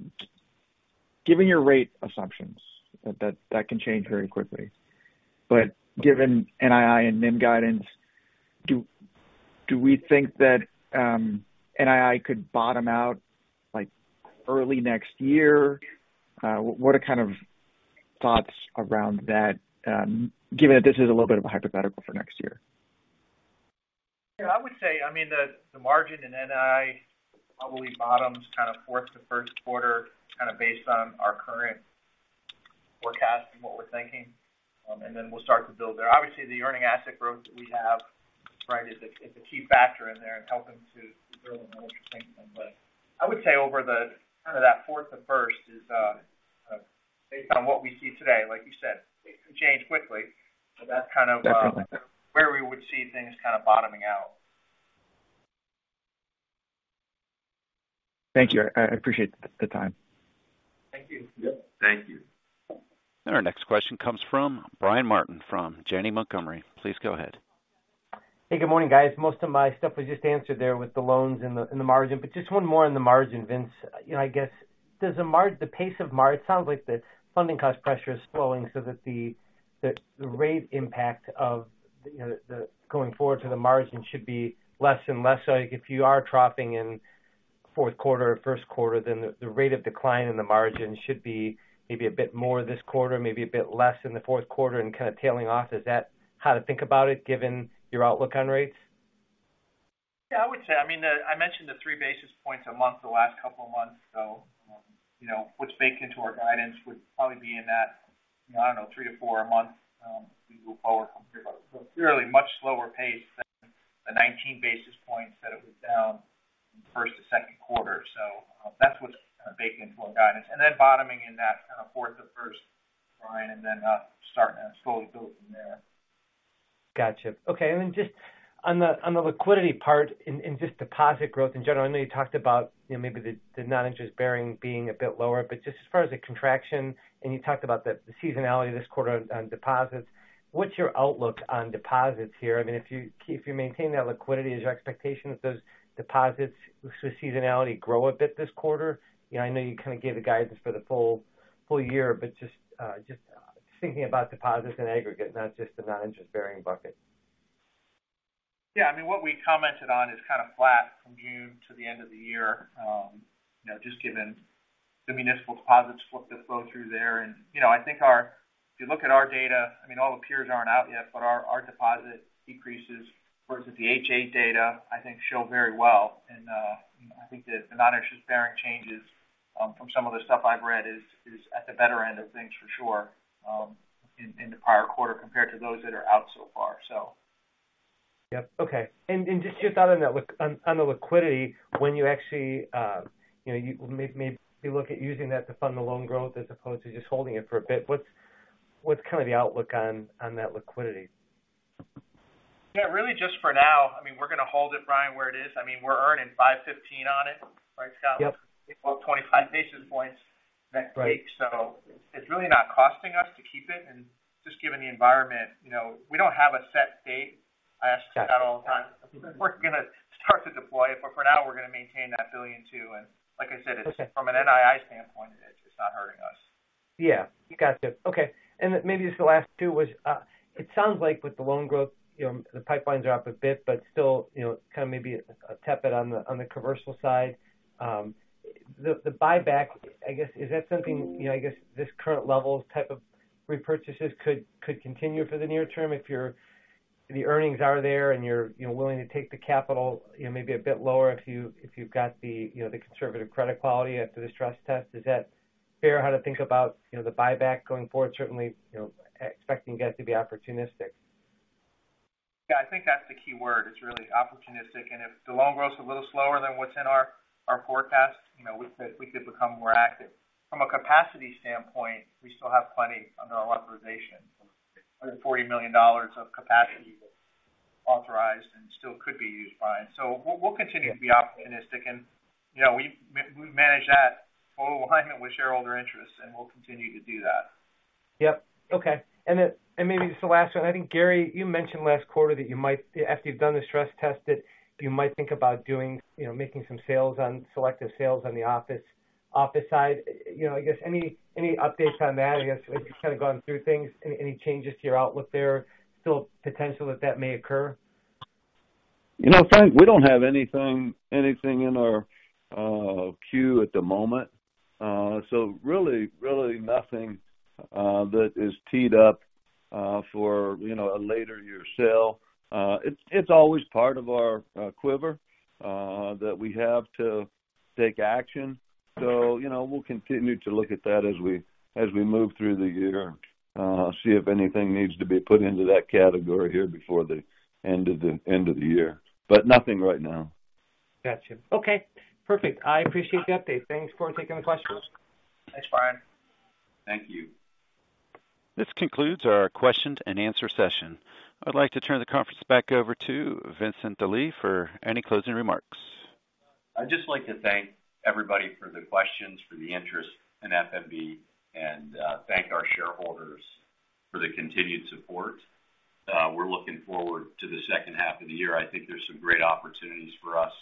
K: given your rate assumptions, that can change very quickly. given NII and NIM guidance, do we think that NII could bottom out, like, early next year? What are kind of thoughts around that? given that this is a little bit of a hypothetical for next year.
E: Yeah, I would say, I mean, the margin in NII probably bottoms kind of fourth to first quarter, kind of based on our current forecast and what we're thinking, and then we'll start to build there. Obviously, the earning asset growth that we have, right, is a key factor in there and helping to build an interesting thing. I would say over the kind of that fourth to first is based on what we see today, like you said, it can change quickly. That's kind of.
K: Definitely.
E: Where we would see things kind of bottoming out.
K: Thank you. I appreciate the time.
E: Thank you.
C: Yep. Thank you.
A: Our next question comes from Brian Martin, from Janney Montgomery. Please go ahead.
L: Hey, good morning, guys. Most of my stuff was just answered there with the loans and the margin, just one more on the margin, Vince. You know, I guess, does the pace of it sounds like the funding cost pressure is slowing so that the rate impact of, you know, going forward to the margin should be less and less. If you are dropping in fourth quarter or first quarter, the rate of decline in the margin should be maybe a bit more this quarter, maybe a bit less in the fourth quarter and kind of tailing off. Is that how to think about it, given your outlook on rates?
E: Yeah, I would say. I mean, I mentioned the 3 basis points a month, the last couple of months. You know, what's baked into our guidance would probably be in that, I don't know, 3 to 4 a month, as we move forward from here. Clearly much slower pace than the 19 basis points that it was down in the 1st to 2nd quarter. That's what's kind of baked into our guidance. Bottoming in that kind of 4th to 1st, Brian, starting to slowly build from there.
L: Gotcha. Okay. Just on the liquidity part, in just deposit growth in general, I know you talked about, you know, maybe the non-interest bearing being a bit lower, but just as far as the contraction, and you talked about the seasonality this quarter on deposits. What's your outlook on deposits here? I mean, if you maintain that liquidity, is your expectation that those deposits, with seasonality, grow a bit this quarter? You know, I know you kind of gave the guidance for the full year, but just thinking about deposits in aggregate, not just the non-interest bearing bucket.
E: Yeah, I mean, what we commented on is kind of flat from June to the end of the year. You know, just given the municipal deposits flow, the flow through there. You know, I think if you look at our data, I mean, all the peers aren't out yet, but our deposit decreases versus the H.8 data, I think show very well. I think that the non-interest bearing changes from some of the stuff I've read is at the better end of things for sure, in the prior quarter compared to those that are out so far, so.
L: Yep. Okay. Just on the liquidity, when you actually, you know, you may look at using that to fund the loan growth as opposed to just holding it for a bit. What's kind of the outlook on that liquidity?
E: Yeah, really, just for now, I mean, we're going to hold it, Brian, where it is. I mean, we're earning 5.15% on it, right, Scott?
D: Yep.
E: Well, 25 basis points that take.
L: Right.
E: It's really not costing us to keep it. Just given the environment, you know, we don't have a set date. I ask that all the time.
L: Got it.
E: We're going to start to deploy it, but for now, we're going to maintain that $1.2 billion.
L: Okay.
E: it's from an NII standpoint, it's just not hurting us.
L: Yeah, you got it. Okay. Maybe just the last two was, it sounds like with the loan growth, you know, the pipelines are up a bit, but still, you know, kind of maybe a tepid on the commercial side. The buyback, I guess, is that something, you know, I guess, this current level type of repurchases could continue for the near term if the earnings are there and you're, you know, willing to take the capital, you know, maybe a bit lower if you, if you've got the, you know, the conservative credit quality after the stress test? Is that fair how to think about, you know, the buyback going forward? Certainly, you know, expecting that to be opportunistic.
E: Yeah, I think that's the key word. It's really opportunistic. If the loan grows a little slower than what's in our forecast, you know, we could become more active. From a capacity standpoint, we still have plenty under our authorization, $140 million of capacity authorized and still could be used by. We'll continue to be opportunistic. You know, we've managed that full alignment with shareholder interests, and we'll continue to do that.
L: Yep. Okay. Maybe this is the last one. I think, Gary, you mentioned last quarter that you might after you've done the stress test, that you might think about doing, you know, making some selective sales on the office side. You know, I guess, any updates on that? I guess, as you've kind of gone through things, any changes to your outlook there? Still potential that that may occur?
D: You know, Frank, we don't have anything in our queue at the moment. Really, really nothing that is teed up for, you know, a later year sale. It's always part of our quiver that we have to take action. You know, we'll continue to look at that as we move through the year, see if anything needs to be put into that category here before the end of the year. Nothing right now.
L: Got you. Okay, perfect. I appreciate the update. Thanks for taking the questions.
E: Thanks, Brian.
C: Thank you.
A: This concludes our question and answer session. I'd like to turn the conference back over to Vincent Delie for any closing remarks.
C: I'd just like to thank everybody for the questions, for the interest in F.N.B., and thank our shareholders for the continued support. We're looking forward to the second half of the year. I think there's some great opportunities for us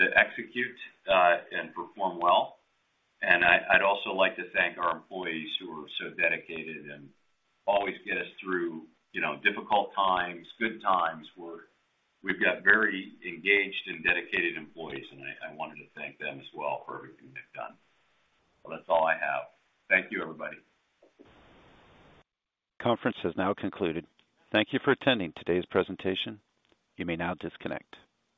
C: to execute and perform well. I'd also like to thank our employees who are so dedicated and always get us through, you know, difficult times, good times, where we've got very engaged and dedicated employees, and I wanted to thank them as well for everything they've done. That's all I have. Thank you, everybody.
A: Conference has now concluded. Thank you for attending today's presentation. You may now disconnect.